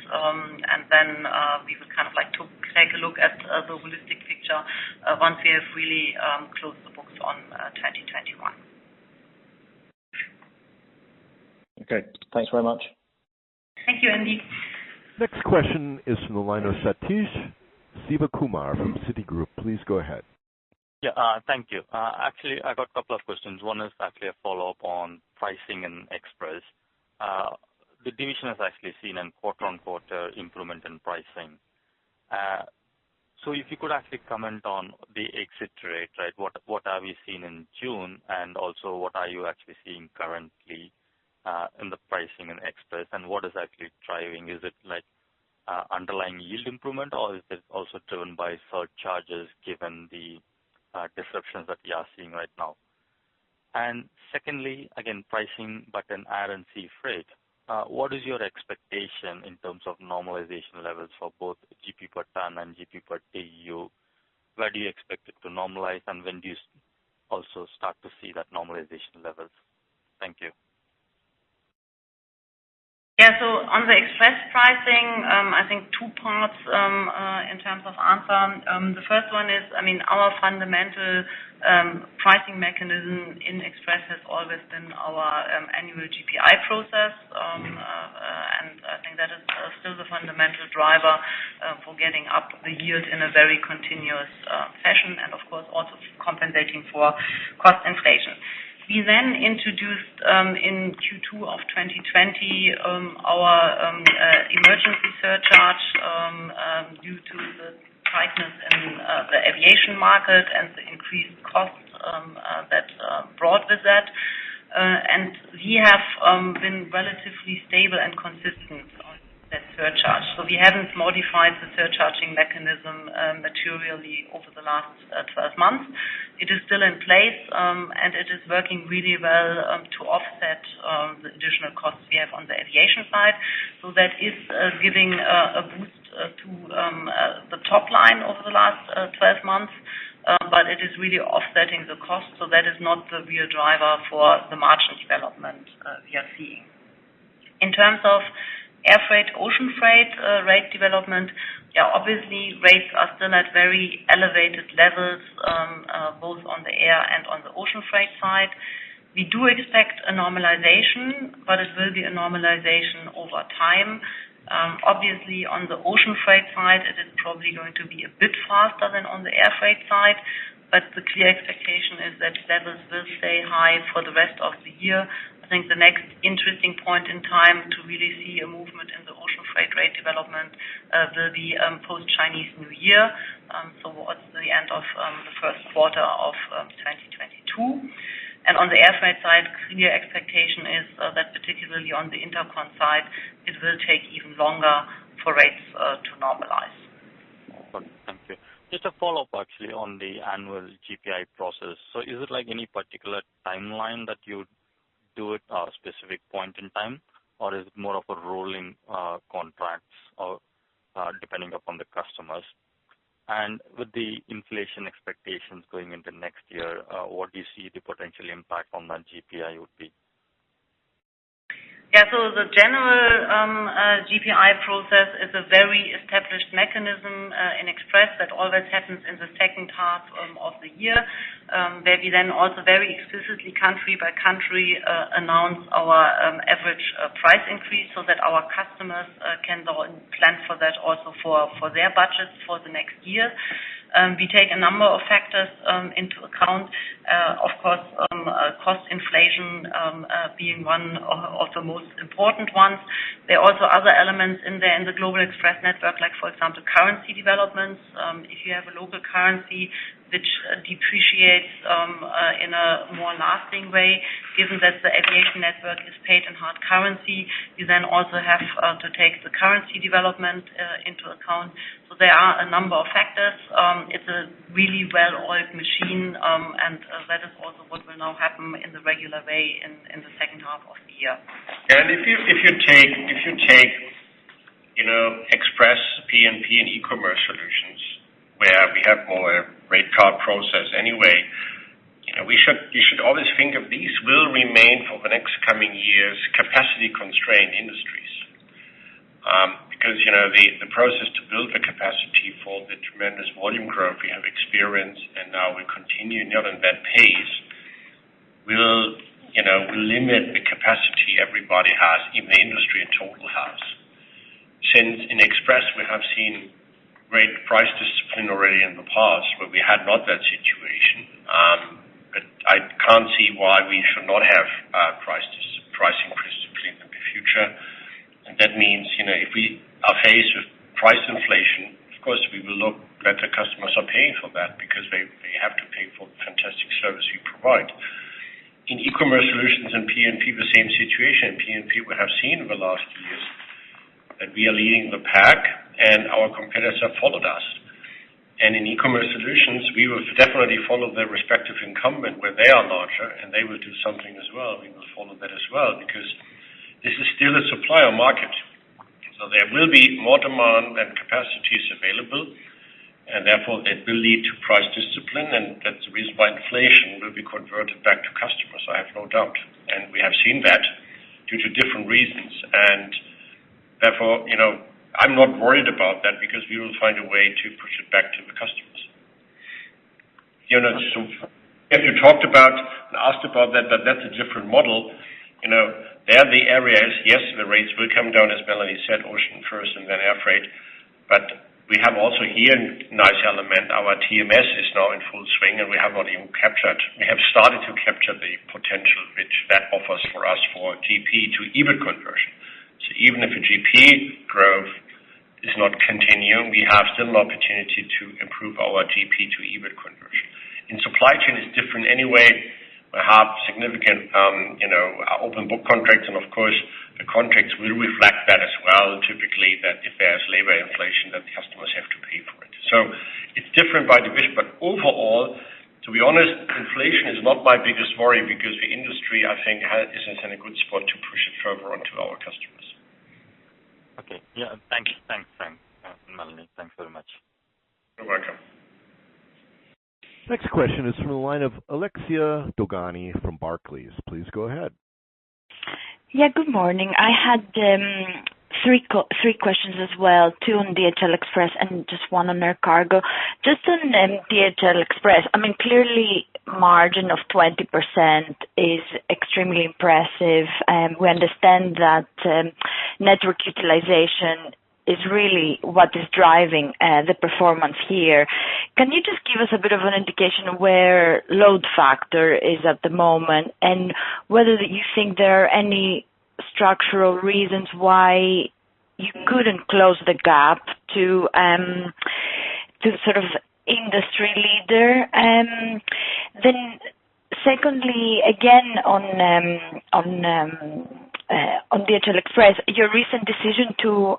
We would kind of like to take a look at the holistic picture once we have really closed the books on 2021. Okay, thanks very much. Thank you, Andy. Next question is from the line of Sathish Sivakumar from Citigroup. Please go ahead. Yeah. Thank you. Actually, I got a couple of questions. One is actually a follow-up on pricing and Express. The division has actually seen a quarter-on-quarter improvement in pricing. If you could actually comment on the exit rate, right, what are we seeing in June? Also, what are you actually seeing currently in the pricing in Express, and what is actually driving? Is it underlying yield improvement, or is it also driven by surcharges given the disruptions that we are seeing right now? Secondly, again, pricing, but in Air and Sea Freight. What is your expectation in terms of normalization levels for both GP per ton and GP per TEU? Where do you expect it to normalize, and when do you also start to see that normalization levels? Thank you. On the Express pricing, I think two parts in terms of answer. The first one is, our fundamental pricing mechanism in Express has always been our annual GPI process. I think that is still the fundamental driver for getting up the yield in a very continuous fashion and, of course, also compensating for cost inflation. We then introduced in Q2 of 2020 our emergency surcharge due to the tightness in the aviation market and the increased cost that brought with that. We have been relatively stable and consistent on that surcharge. We haven't modified the surcharging mechanism materially over the last 12 months. It is still in place, and it is working really well to offset the additional costs we have on the aviation side. That is really offsetting the cost, so that is not the real driver for the margin development we are seeing. In terms of air freight, ocean freight rate development, yeah, obviously rates are still at very elevated levels both on the air and on the ocean freight side. We do expect a normalization, but it will be a normalization over time. On the ocean freight side, it is probably going to be a bit faster than on the air freight side, but the clear expectation is that levels will stay high for the rest of the year. I think the next interesting point in time to really see a movement in the ocean freight rate development will be post Chinese New Year. Towards the end of the first quarter of 2022. On the air freight side, clear expectation is that particularly on the intercontinental side, it will take even longer for rates to normalize. Thank you. Just a follow-up, actually, on the annual GPI process. Is it like any particular timeline that you do it a specific point in time, or is it more of a rolling contracts depending upon the customers? With the inflation expectations going into next year, what do you see the potential impact on that GPI would be? Yeah. The general GPI process is a very established mechanism in Express that always happens in the second half of the year, where we then also very explicitly, country by country, announce our average price increase so that our customers can then plan for that also for their budgets for the next year. We take a number of factors into account. Of course, cost inflation being one of the most important ones. There are also other elements in there in the global express network, like for example, currency developments. If you have a local currency which depreciates in a more lasting way, given that the aviation network is paid in hard currency, you then also have to take the currency development into account. There are a number of factors. It's a really well-oiled machine. That is also what will now happen in the regular way in the second half of the year. If you take Express, P&P and eCommerce Solutions, where we have more rate card process anyway, you should always think of these will remain for the next coming years, capacity-constrained industries. The process to build the capacity for the tremendous volume growth we have experienced and now we continue near on that pace, will limit the capacity everybody has in the industry in total has. In Express, we have seen great price discipline already in the past where we had not that situation. I can't see why we should not have price increase discipline in the future. That means, if we are faced with price inflation, of course, we will look that the customers are paying for that because they have to pay for the fantastic service we provide. In eCommerce Solutions and P&P, the same situation. P&P, we have seen in the last years that we are leading the pack and our competitors have followed us. In e-commerce solutions, we will definitely follow the respective incumbent where they are larger, and they will do something as well. We will follow that as well, because this is still a supplier market. There will be more demand than capacities available, and therefore it will lead to price discipline, and that's the reason why inflation will be converted back to customers, I have no doubt. We have seen that due to different reasons, and therefore, I'm not worried about that because we will find a way to push it back to the customers. If you talked about and asked about that, but that's a different model. There, the area is, yes, the rates will come down, as Melanie said, ocean first and then air freight. We have also here a nice element. Our TMS is now in full swing, and we have not even captured. We have started to capture the potential which that offers for us for GP to EBIT conversion. Even if the GP growth is not continuing, we have still an opportunity to improve our GP to EBIT conversion. In supply chain, it's different anyway. We have significant open book contracts and, of course, the contracts will reflect that as well. Typically, that if there's labor inflation, that the customers have to pay for it. It's different by division. Overall, to be honest, inflation is not my biggest worry because the industry, I think, is in a good spot to push it further onto our customers. Okay. Yeah. Thanks. Melanie, thanks very much. You're welcome. Next question is from the line of Alexia Dogani from Barclays. Please go ahead. Yeah, good morning. I had three questions as well, two on DHL Express and just one on Air Cargo. Just on DHL Express, I mean, clearly margin of 20% is extremely impressive. We understand that network utilization is really what is driving the performance here. Can you just give us a bit of an indication of where load factor is at the moment, and whether you think there are any structural reasons why you couldn't close the gap to sort of industry leader? Secondly, again on DHL Express, your recent decision to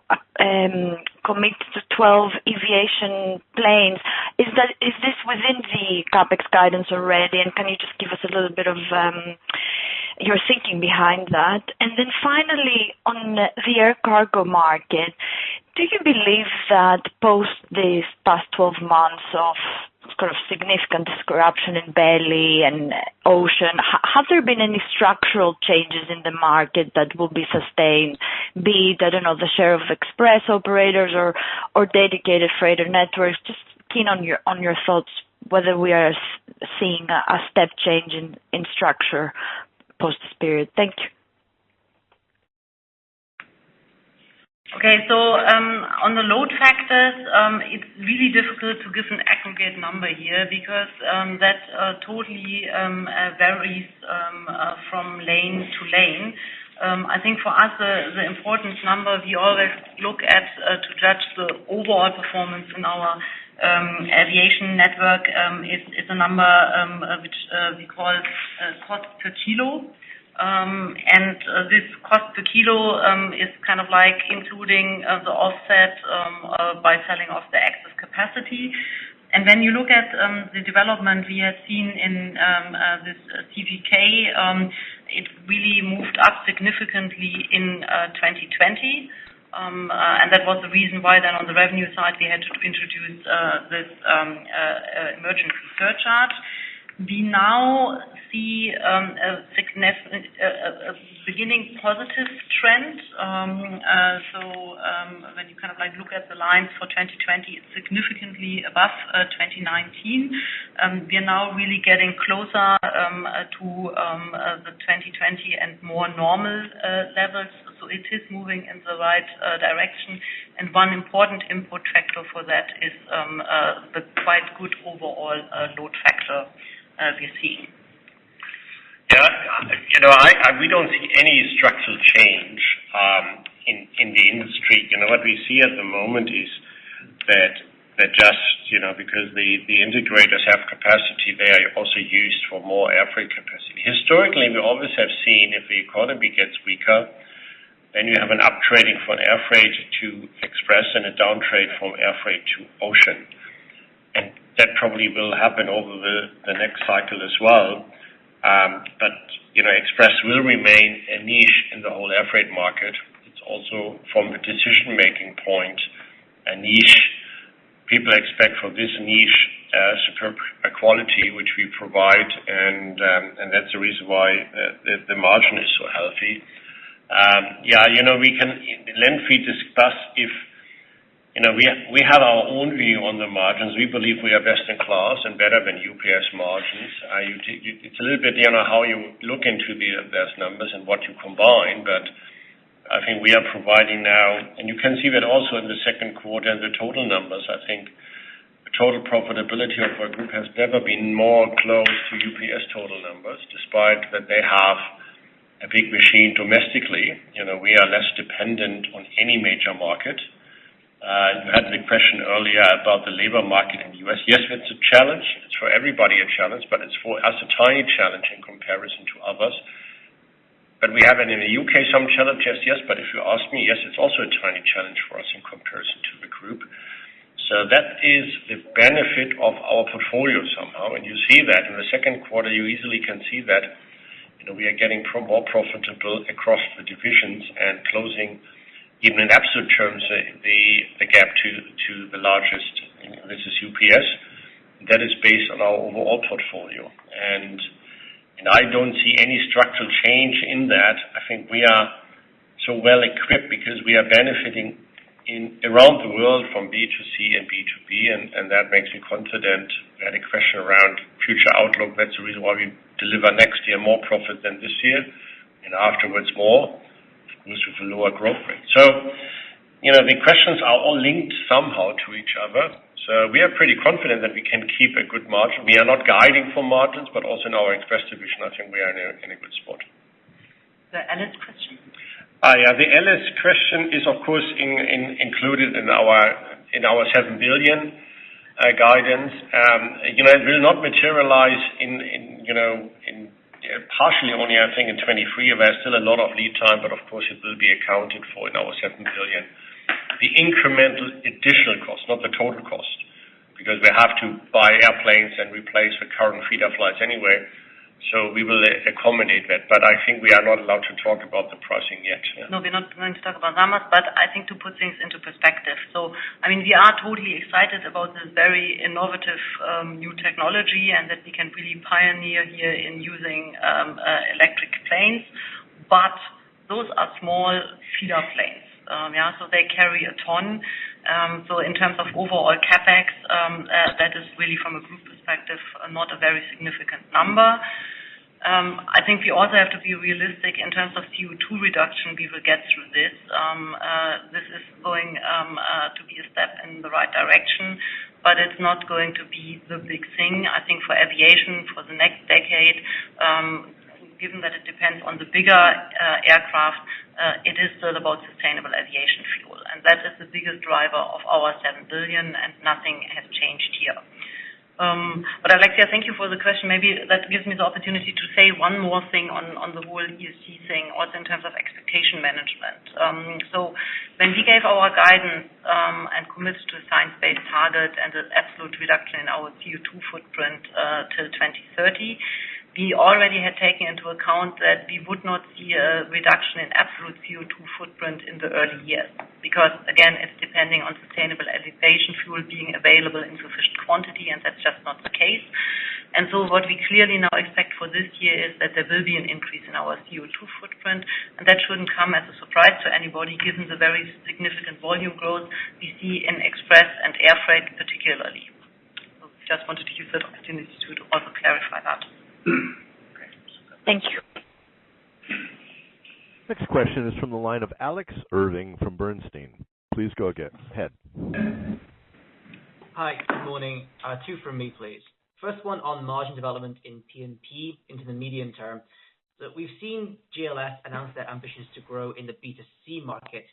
commit to 12 Eviation planes, is this within the CapEx guidance already? Can you just give us a little bit of your thinking behind that. Finally, on the air cargo market, do you believe that post these past 12 months of significant disruption in belly and ocean, has there been any structural changes in the market that will be sustained, be it, I don't know, the share of Express operators or dedicated freighter networks? Just keen on your thoughts whether we are seeing a step change in structure post this period. Thank you. On the load factors, it's really difficult to give an aggregate number here because that totally varies from lane to lane. I think for us, the important number we always look at to judge the overall performance in our aviation network, is a number which we call cost per kilo. This cost per kilo is including the offset by selling off the excess capacity. When you look at the development we have seen in this CPK, it really moved up significantly in 2020. That was the reason why then on the revenue side, we had to introduce this emergency surcharge. We now see a beginning positive trend. When you look at the lines for 2020, it's significantly above 2019. We are now really getting closer to the 2020 and more normal levels. It is moving in the right direction. One important input factor for that is the quite good overall load factor we're seeing. We don't see any structural change in the industry. What we see at the moment is that just because the integrators have capacity, they are also used for more air freight capacity. Historically, we always have seen if the economy gets weaker, then you have an up trading for an air freight to Express and a downtrade from air freight to ocean. That probably will happen over the next cycle as well. Express will remain a niche in the whole air freight market. It's also from a decision-making point, a niche. People expect from this niche a superb quality, which we provide, and that's the reason why the margin is so healthy. We can lengthily discuss. We have our own view on the margins. We believe we are best in class and better than UPS margins. It's a little bit how you look into the best numbers and what you combine, but I think we are providing now, and you can see that also in the second quarter, the total numbers, I think the total profitability of our group has never been more close to UPS total numbers, despite that they have a big machine domestically. We are less dependent on any major market. You had a big question earlier about the labor market in the U.S. Yes, it's a challenge. It's for everybody a challenge, but it's for us a tiny challenge in comparison to others. We have it in the U.K., some challenges, yes. If you ask me, yes, it's also a tiny challenge for us in comparison to the group. That is the benefit of our portfolio somehow. You see that in the second quarter, you easily can see that we are getting more profitable across the divisions and closing even in absolute terms, the gap to the largest, this is UPS. That is based on our overall portfolio. I don't see any structural change in that. I think we are so well equipped because we are benefiting around the world from B2C and B2B, and that makes me confident. We had a question around future outlook. That's the reason why we deliver next year more profit than this year, and afterwards more, at least with a lower growth rate. The questions are all linked somehow to each other. We are pretty confident that we can keep a good margin. We are not guiding for margins, but also in our Express division, I think we are in a good spot. The Alice question. Yeah, the Alice question is, of course, included in our 7 billion guidance. It will not materialize partially only, I think, in 2023. We have still a lot of lead time, of course, it will be accounted for in our 7 billion. The incremental additional cost, not the total cost, because we have to buy airplanes and replace the current feeder flights anyway, we will accommodate that. I think we are not allowed to talk about the pricing yet. No, we're not going to talk about numbers, but I think to put things into perspective. We are totally excited about this very innovative new technology and that we can really pioneer here in using electric planes. Those are small feeder planes. They carry a ton. In terms of overall CapEx, that is really from a group perspective, not a very significant number. I think we also have to be realistic in terms of CO2 reduction we will get through this. This is going to be a step in the right direction, but it's not going to be the big thing, I think for aviation for the next decade, given that it depends on the bigger aircraft, it is still about sustainable aviation fuel. That is the biggest driver of our 7 billion, and nothing has changed here. Alex, yeah, thank you for the question. Maybe that gives me the opportunity to say one more thing on the whole ESG thing, also in terms of expectation management. When we gave our guidance and committed to reduction in our CO2 footprint till 2030, we already had taken into account that we would not see a reduction in absolute CO2 footprint in the early years, because again, it's depending on sustainable aviation fuel being available in sufficient quantity, and that's just not the case. What we clearly now expect for this year is that there will be an increase in our CO2 footprint, and that shouldn't come as a surprise to anybody, given the very significant volume growth we see in Express and air freight, particularly. Just wanted to use that opportunity to also clarify that. Thank you. Next question is from the line of Alex Irving from Bernstein. Please go ahead. Hi. Good morning. Two from me, please. First one on margin development in P&P into the medium term. We've seen GLS announce their ambitions to grow in the B2C market.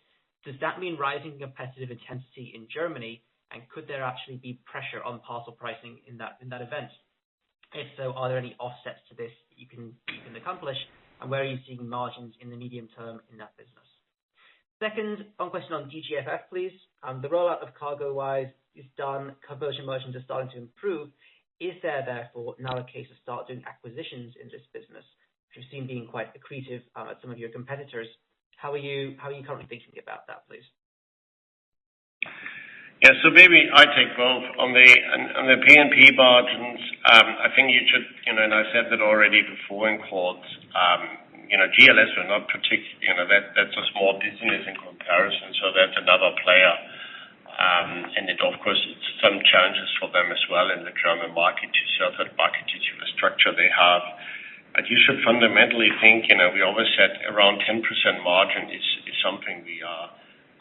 Does that mean rising competitive intensity in Germany? Could there actually be pressure on parcel pricing in that event? If so, are there any offsets to this that you can accomplish? Where are you seeing margins in the medium term in that business? Second, one question on DGFF, please. The rollout of CargoWise is done. Conversion margins are starting to improve. Is there therefore now a case to start doing acquisitions in this business, which we've seen being quite accretive at some of your competitors? How are you currently thinking about that, please. Yeah. Maybe I take both. On the P&P margins, I think you should, and I said that already before in calls. GLS were not particularly. That's a small business in comparison, so that's another player and of course, it's some challenges for them as well in the German market itself, that market infrastructure they have. But you should fundamentally think, we always said around 10% margin is something we are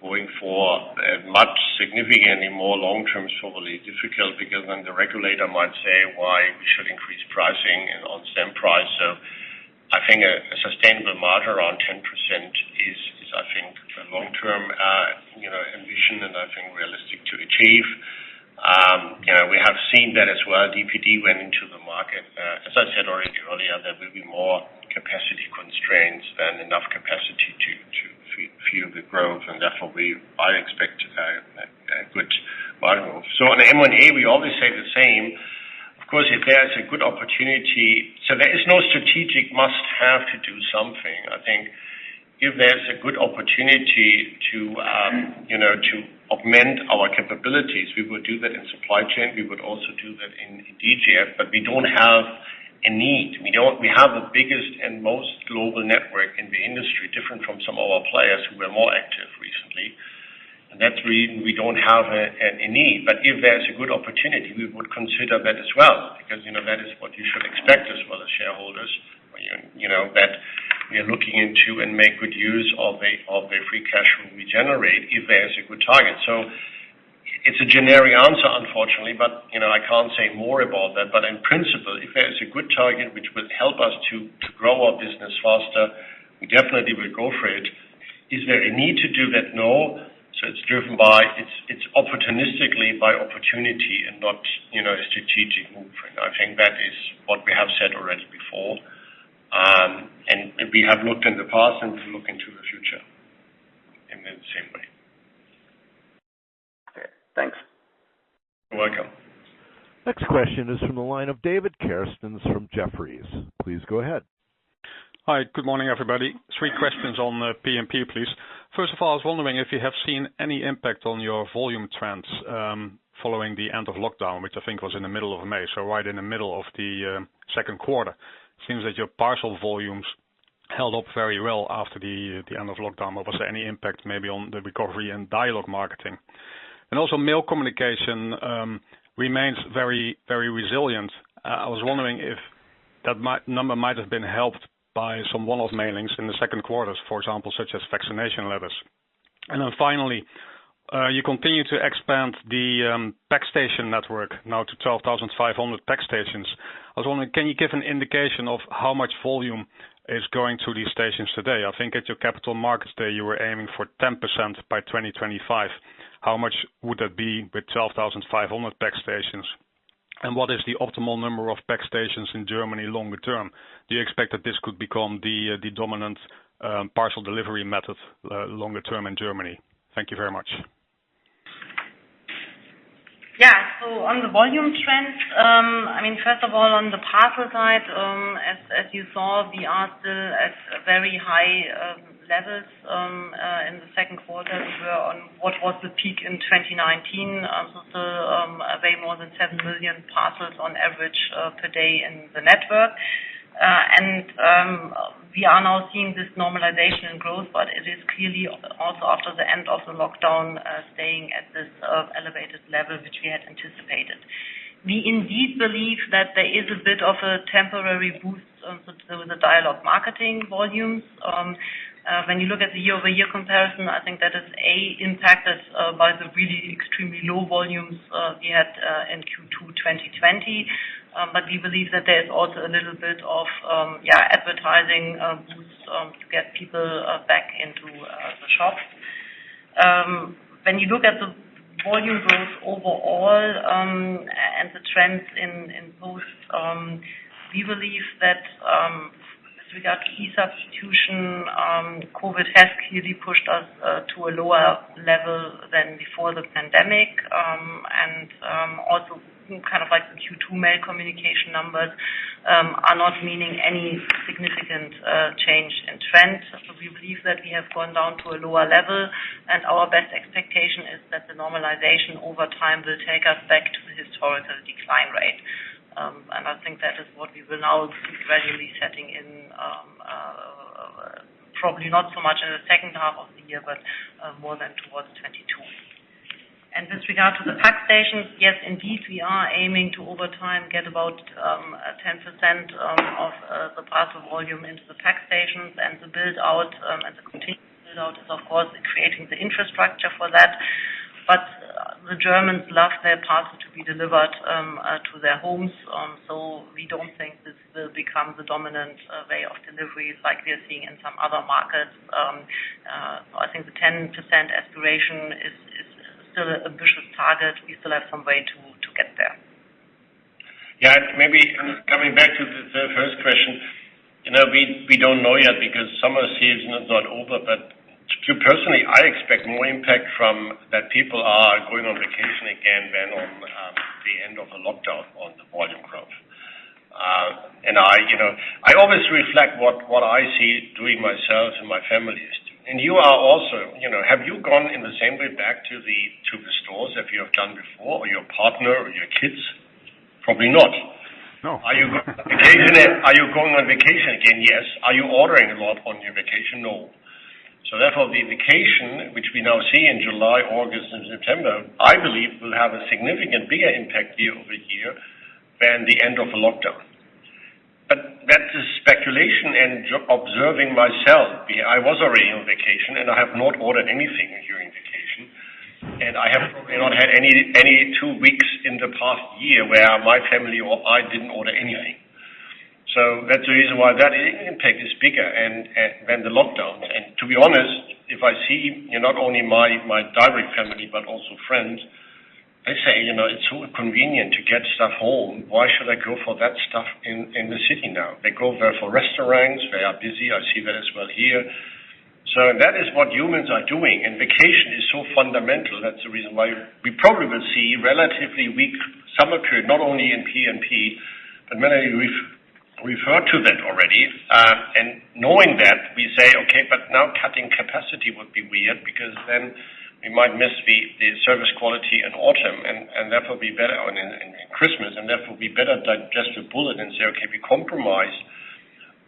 going for. Much significantly more long term, it's probably difficult because then the regulator might say why we should increase pricing and on stamp price. I think a sustainable margin around 10% is, I think, the long-term ambition and I think realistic to achieve. We have seen that as well, DPD went into the market. As I said already earlier, there will be more capacity constraints than enough capacity to fuel the growth and therefore I expect a good margin. On the M&A, we always say the same. Of course, if there is a good opportunity. There is no strategic must-have to do something. I think if there's a good opportunity to augment our capabilities, we would do that in supply chain, we would also do that in DGF. We don't have a need. We have the biggest and most global network in the industry, different from some other players who were more active recently. That's the reason we don't have a need. If there's a good opportunity, we would consider that as well, because that is what you should expect as well as shareholders. That we are looking into and make good use of the free cash flow we generate if there is a good target. It's a generic answer, unfortunately, but I can't say more about that. In principle, if there is a good target which would help us to grow our business faster, we definitely will go for it. Is there a need to do that? No. It's driven by, it's opportunistically by opportunity and not strategic movement. I think that is what we have said already before. We have looked in the past and look into the future in the same way. Okay, thanks. You're welcome. Next question is from the line of David Kerstens from Jefferies. Please go ahead. Hi. Good morning, everybody. Three questions on P&P, please. I was wondering if you have seen any impact on your volume trends, following the end of lockdown, which I think was in the middle of May, so right in the middle of the second quarter. It seems that your parcel volumes held up very well after the end of lockdown. Was there any impact maybe on the recovery and dialog marketing? Also mail communication remains very resilient. I was wondering if that number might have been helped by some one-off mailings in the second quarter, for example, such as vaccination letters. Finally, you continue to expand the Packstation network now to 12,500 Packstations. I was wondering, can you give an indication of how much volume is going to these stations today? I think at your Capital Markets Day, you were aiming for 10% by 2025. How much would that be with 12,500 Packstations? What is the optimal number of Packstations in Germany longer term? Do you expect that this could become the dominant parcel delivery method longer term in Germany? Thank you very much. On the volume trends, first of all, on the parcel side, as you saw, we are still at very high levels. In the second quarter, we were on what was the peak in 2019. Still way more than 7 million parcels on average per day in the network. We are now seeing this normalization in growth, but it is clearly also after the end of the lockdown, staying at this elevated level, which we had anticipated. We indeed believe that there is a bit of a temporary boost on the dialog marketing volumes. When you look at the year-over-year comparison, I think that is impacted by the really extremely low volumes we had in Q2 2020. We believe that there is also a little bit of advertising boost to get people back into the shops. When you look at the volume growth overall, and the trends in both, we believe that. With that e-substitution, COVID has clearly pushed us to a lower level than before the pandemic. The Q2 mail communication numbers are not meaning any significant change in trend. We believe that we have gone down to a lower level, and our best expectation is that the normalization over time will take us back to the historical decline rate. I think that is what we will now gradually be setting in, probably not so much in the second half of the year, but more than towards 2022. With regard to the Packstation, yes, indeed, we are aiming to, over time, get about 10% of the parcel volume into the Packstation. The continued build-out is, of course, creating the infrastructure for that. The Germans love their parcels to be delivered to their homes. We don't think this will become the dominant way of deliveries like we are seeing in some other markets. I think the 10% aspiration is still an ambitious target. We still have some way to get there. Maybe coming back to the first question. We don't know yet because summer season is not over. Personally, I expect more impact from that people are going on vacation again than on the end of the lockdown on the volume growth. I always reflect what I see doing myself and my family is doing. You are also. Have you gone in the same way back to the stores as you have done before, or your partner or your kids? Probably not. No. Are you going on vacation again? Yes. Are you ordering a lot on your vacation? No. Therefore, the vacation, which we now see in July, August, and September, I believe will have a significantly bigger impact year-over-year than the end of the lockdown. That is speculation and observing myself. I was already on vacation, and I have not ordered anything during the vacation. I have probably not had any two weeks in the past year where my family or I didn't order anything. That's the reason why that impact is bigger than the lockdown. To be honest, if I see not only my direct family, but also friends, they say, it's so convenient to get stuff home. Why should I go for that stuff in the city now? They go there for restaurants. They are busy. I see that as well here. That is what humans are doing, and vacation is so fundamental. That's the reason why we probably will see relatively weak summer period, not only in P&P, but Melanie referred to that already. Knowing that, we say, okay, but now cutting capacity would be weird because then we might miss the service quality in autumn and Christmas, and therefore, be better that just to bullet and say, okay, we compromise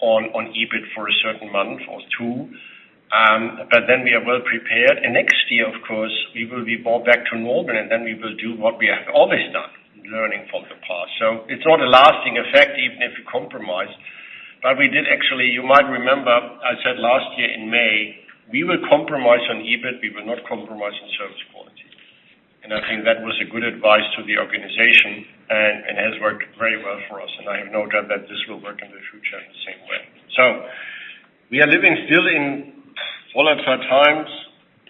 on EBIT for a certain month or two. We are well prepared. Next year, of course, we will be more back to normal, and then we will do what we have always done, learning from the past. It's not a lasting effect, even if you compromise. We did actually, you might remember, I said last year in May, we will compromise on EBIT, we will not compromise on service quality. I think that was a good advice to the organization, and it has worked very well for us, and I have no doubt that this will work in the future in the same way. We are living still in volatile times.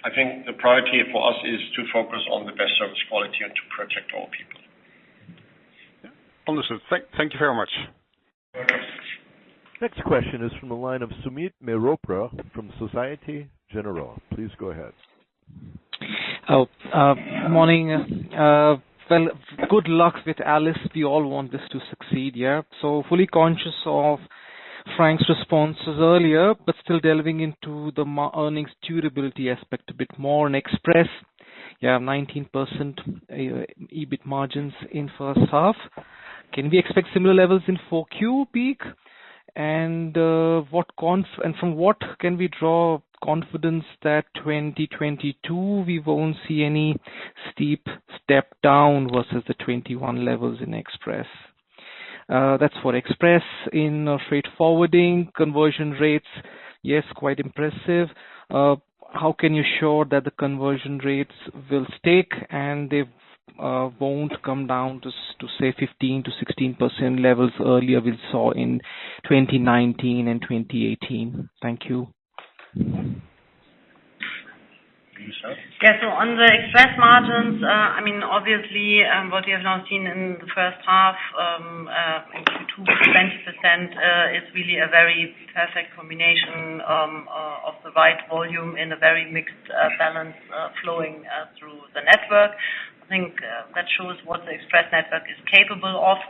I think the priority for us is to focus on the best service quality and to protect our people. Understood. Thank you very much. Next question is from the line of Sumit Mehrotra from Societe Generale. Please go ahead. Morning. Well, good luck with Alice. We all want this to succeed, yeah. Fully conscious of Frank's responses earlier, but still delving into the earnings durability aspect a bit more on Express. Yeah, 19% EBIT margins in first half. Can we expect similar levels in Q4 peak? From what can we draw confidence that 2022, we won't see any steep step down versus the 2021 levels in Express? That's for Express. In freight forwarding conversion rates, yes, quite impressive. How can you show that the conversion rates will stick, and they won't come down to, say, 15%-16% levels earlier we saw in 2019 and 2018? Thank you. Yeah. On the Express margins, obviously, what we have now seen in the first half, 2% is really a very perfect combination of the right volume in a very mixed balance flowing through the network. I think that shows what the Express network is capable of.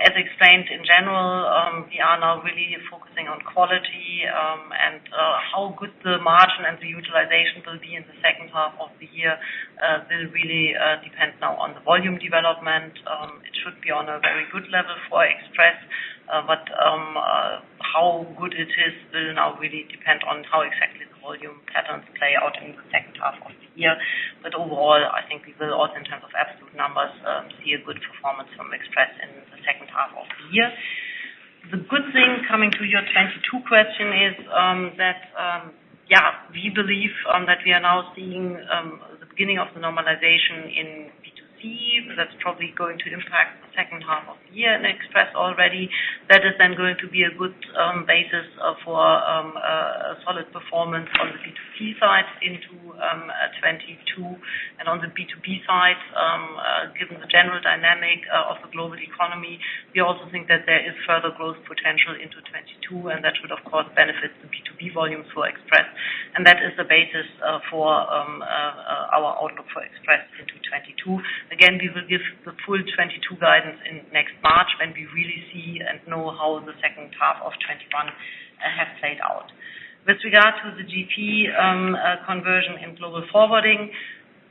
As explained, in general, we are now really focusing on quality and how good the margin and the utilization will be in the second half of the year will really depend now on the volume development. It should be on a very good level for Express. How good it is will now really depend on how exactly the volume patterns play out in the second half of the year. Overall, I think we will also, in terms of absolute numbers, see a good performance from Express in the second half of the year. The good thing, coming to your 2022 question, is that we believe that we are now seeing the beginning of the normalization in B2C. That's probably going to impact the second half of the year in Express already. That is going to be a good basis for performance on the B2C side into 2022. On the B2B side, given the general dynamic of the global economy, we also think that there is further growth potential into 2022, and that would, of course, benefit the B2B volumes for Express. That is the basis for our outlook for Express into 2022. Again, we will give the full 2022 guidance in next March when we really see and know how the second half of 2021 has played out. With regard to the GP conversion in Global Forwarding,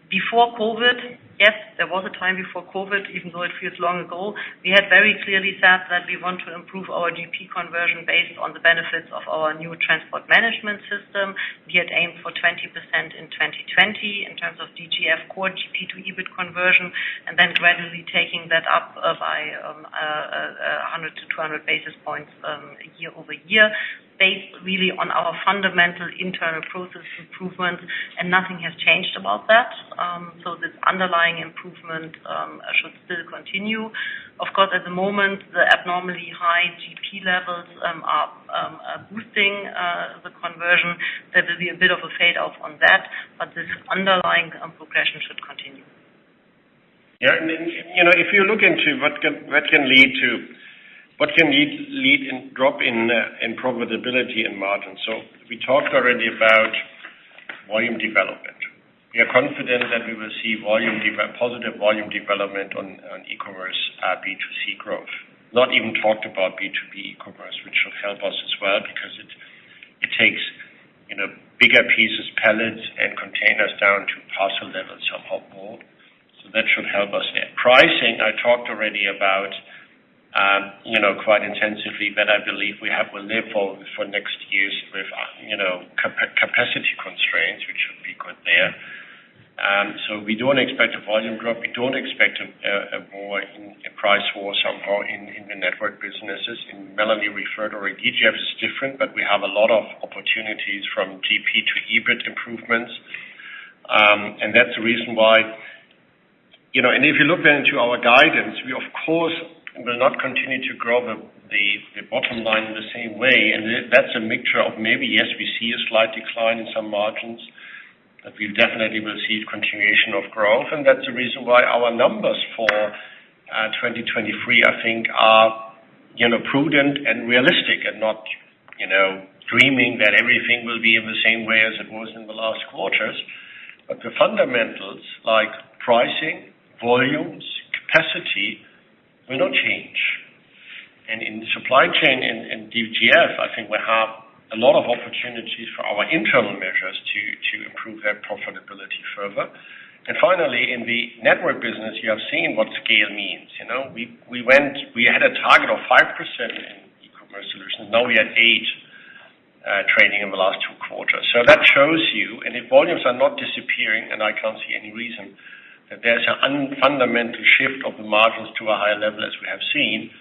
before COVID, yes, there was a time before COVID, even though it feels long ago. We had very clearly said that we want to improve our GP conversion based on the benefits of our new transport management system. We had aimed for 20% in 2020 in terms of DGF core GP to EBIT conversion, then gradually taking that up by 100 to 200 basis points year-over-year, based really on our fundamental internal process improvements, and nothing has changed about that. This underlying improvement should still continue. Of course, at the moment, the abnormally high GP levels are boosting the conversion. There will be a bit of a fade-off on that, but this underlying progression should continue. If you look into what can lead in drop in profitability in margin. We talked already about volume development. We are confident that we will see positive volume development on e-commerce B2C growth. Not even talked about B2B commerce, which will help us as well because it takes bigger pieces, pallets and containers down to parcel levels somehow more. That should help us there. Pricing, I talked already about quite intensively that I believe we have a level for next year's capacity constraints, which should be good there. We don't expect a volume drop. We don't expect a price war somehow in the network businesses. Melanie referred already, DGF is different, but we have a lot of opportunities from GP to EBIT improvements. If you look then into our guidance, we, of course, will not continue to grow the bottom line in the same way. That's a mixture of maybe, yes, we see a slight decline in some margins, but we definitely will see a continuation of growth. That's the reason why our numbers for 2023, I think are prudent and realistic and not dreaming that everything will be in the same way as it was in the last quarters. The fundamentals like pricing, volumes, capacity will not change. In supply chain and DGF, I think we have a lot of opportunities for our internal measures to improve their profitability further. Finally, in the network business, you have seen what scale means. We had a target of 5% in eCommerce Solutions. Now we are at 8%, trading in the last two quarters. That shows you. If volumes are not disappearing, and I can't see any reason that there's a fundamental shift of the margins to a higher level as we have seen.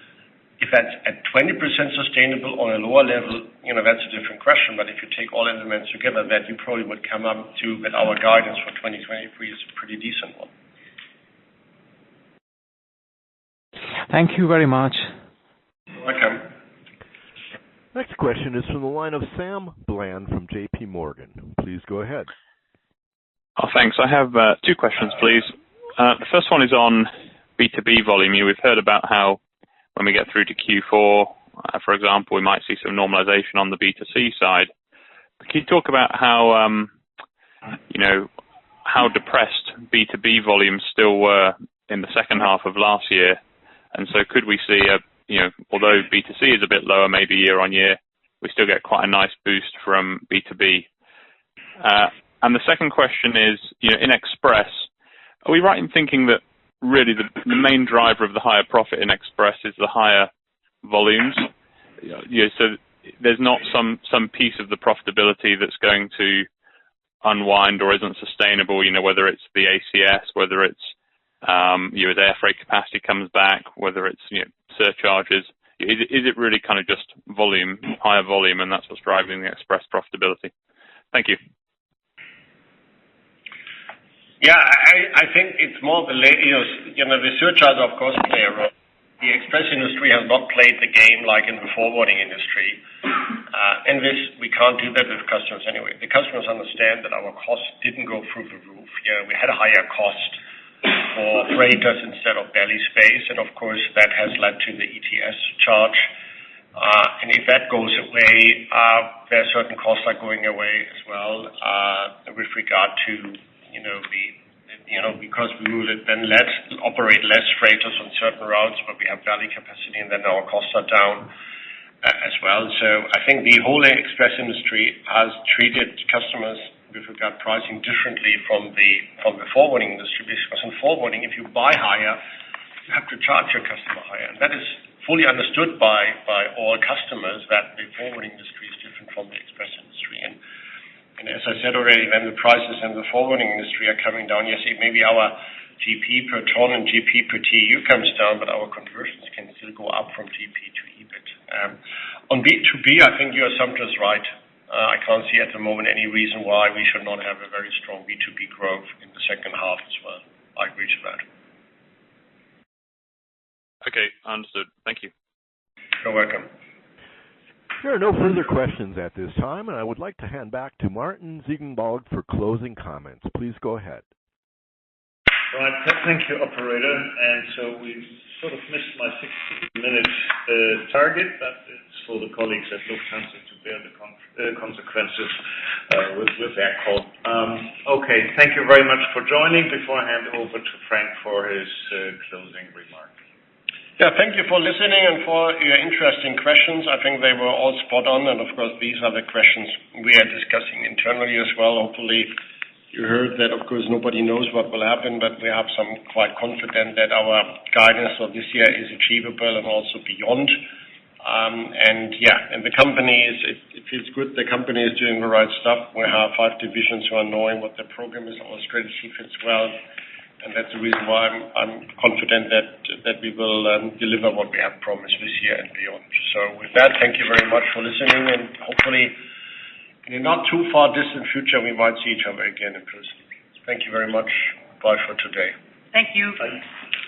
If that's at 20% sustainable on a lower level, that's a different question. If you take all elements together, you probably would come up to that our guidance for 2023 is a pretty decent one. Thank you very much. You're welcome. Next question is from the line of Sam Bland from JPMorgan. Please go ahead. Oh, thanks. I have two questions, please. The first one is on B2B volume. We've heard about how when we get through to Q4, for example, we might see some normalization on the B2C side. Can you talk about how depressed B2B volumes still were in the second half of last year? Could we see, although B2C is a bit lower, maybe year-on-year, we still get quite a nice boost from B2B. The second question is, in Express, are we right in thinking that really the main driver of the higher profit in Express is the higher volumes? There's not some piece of the profitability that's going to unwind or isn't sustainable, whether it's the ACS, whether it's your air freight capacity comes back, whether it's surcharges. Is it really kind of just higher volume and that's what's driving the Express profitability? Thank you. Yeah, I think the surcharges, of course, play a role. The Express industry has not played the game like in the forwarding industry. We can't do that with customers anyway. The customers understand that our costs didn't go through the roof. We had a higher cost for freighters instead of belly space, and of course, that has led to the ETS charge. If that goes away, there are certain costs are going away as well. We will then operate less freighters on certain routes where we have belly capacity, and then our costs are down as well. I think the whole Express industry has treated customers with poor pricing differently from the forwarding industry. In forwarding, if you buy higher, you have to charge your customer higher. That is fully understood by all customers that the forwarding industry is different from the Express industry. As I said already, when the prices in the forwarding industry are coming down, you see maybe our GP per ton and GP per TEU comes down, but our conversions can still go up from GP to EBIT. On B2B, I think your assumption is right. I can't see at the moment any reason why we should not have a very strong B2B growth in the second half as well. I agree to that. Okay, understood. Thank you. You're welcome. There are no further questions at this time, and I would like to hand back to Martin Ziegenbalg for closing comments. Please go ahead. Right. Thank you, operator. We sort of missed my 60-minute target. That is for the colleagues at Lufthansa to bear the consequences with their call. Okay. Thank you very much for joining. Before I hand over to Frank for his closing remarks. Yeah, thank you for listening and for your interesting questions. I think they were all spot on, and of course, these are the questions we are discussing internally as well. Hopefully, you heard that, of course, nobody knows what will happen. We are quite confident that our guidance for this year is achievable and also beyond. It feels good. The company is doing the right stuff. We have five divisions who are knowing what the program is, our strategy fits well, and that's the reason why I'm confident that we will deliver what we have promised this year and beyond. With that, thank you very much for listening, and hopefully in a not too far distant future, we might see each other again in person. Thank you very much. Bye for today. Thank you. Bye.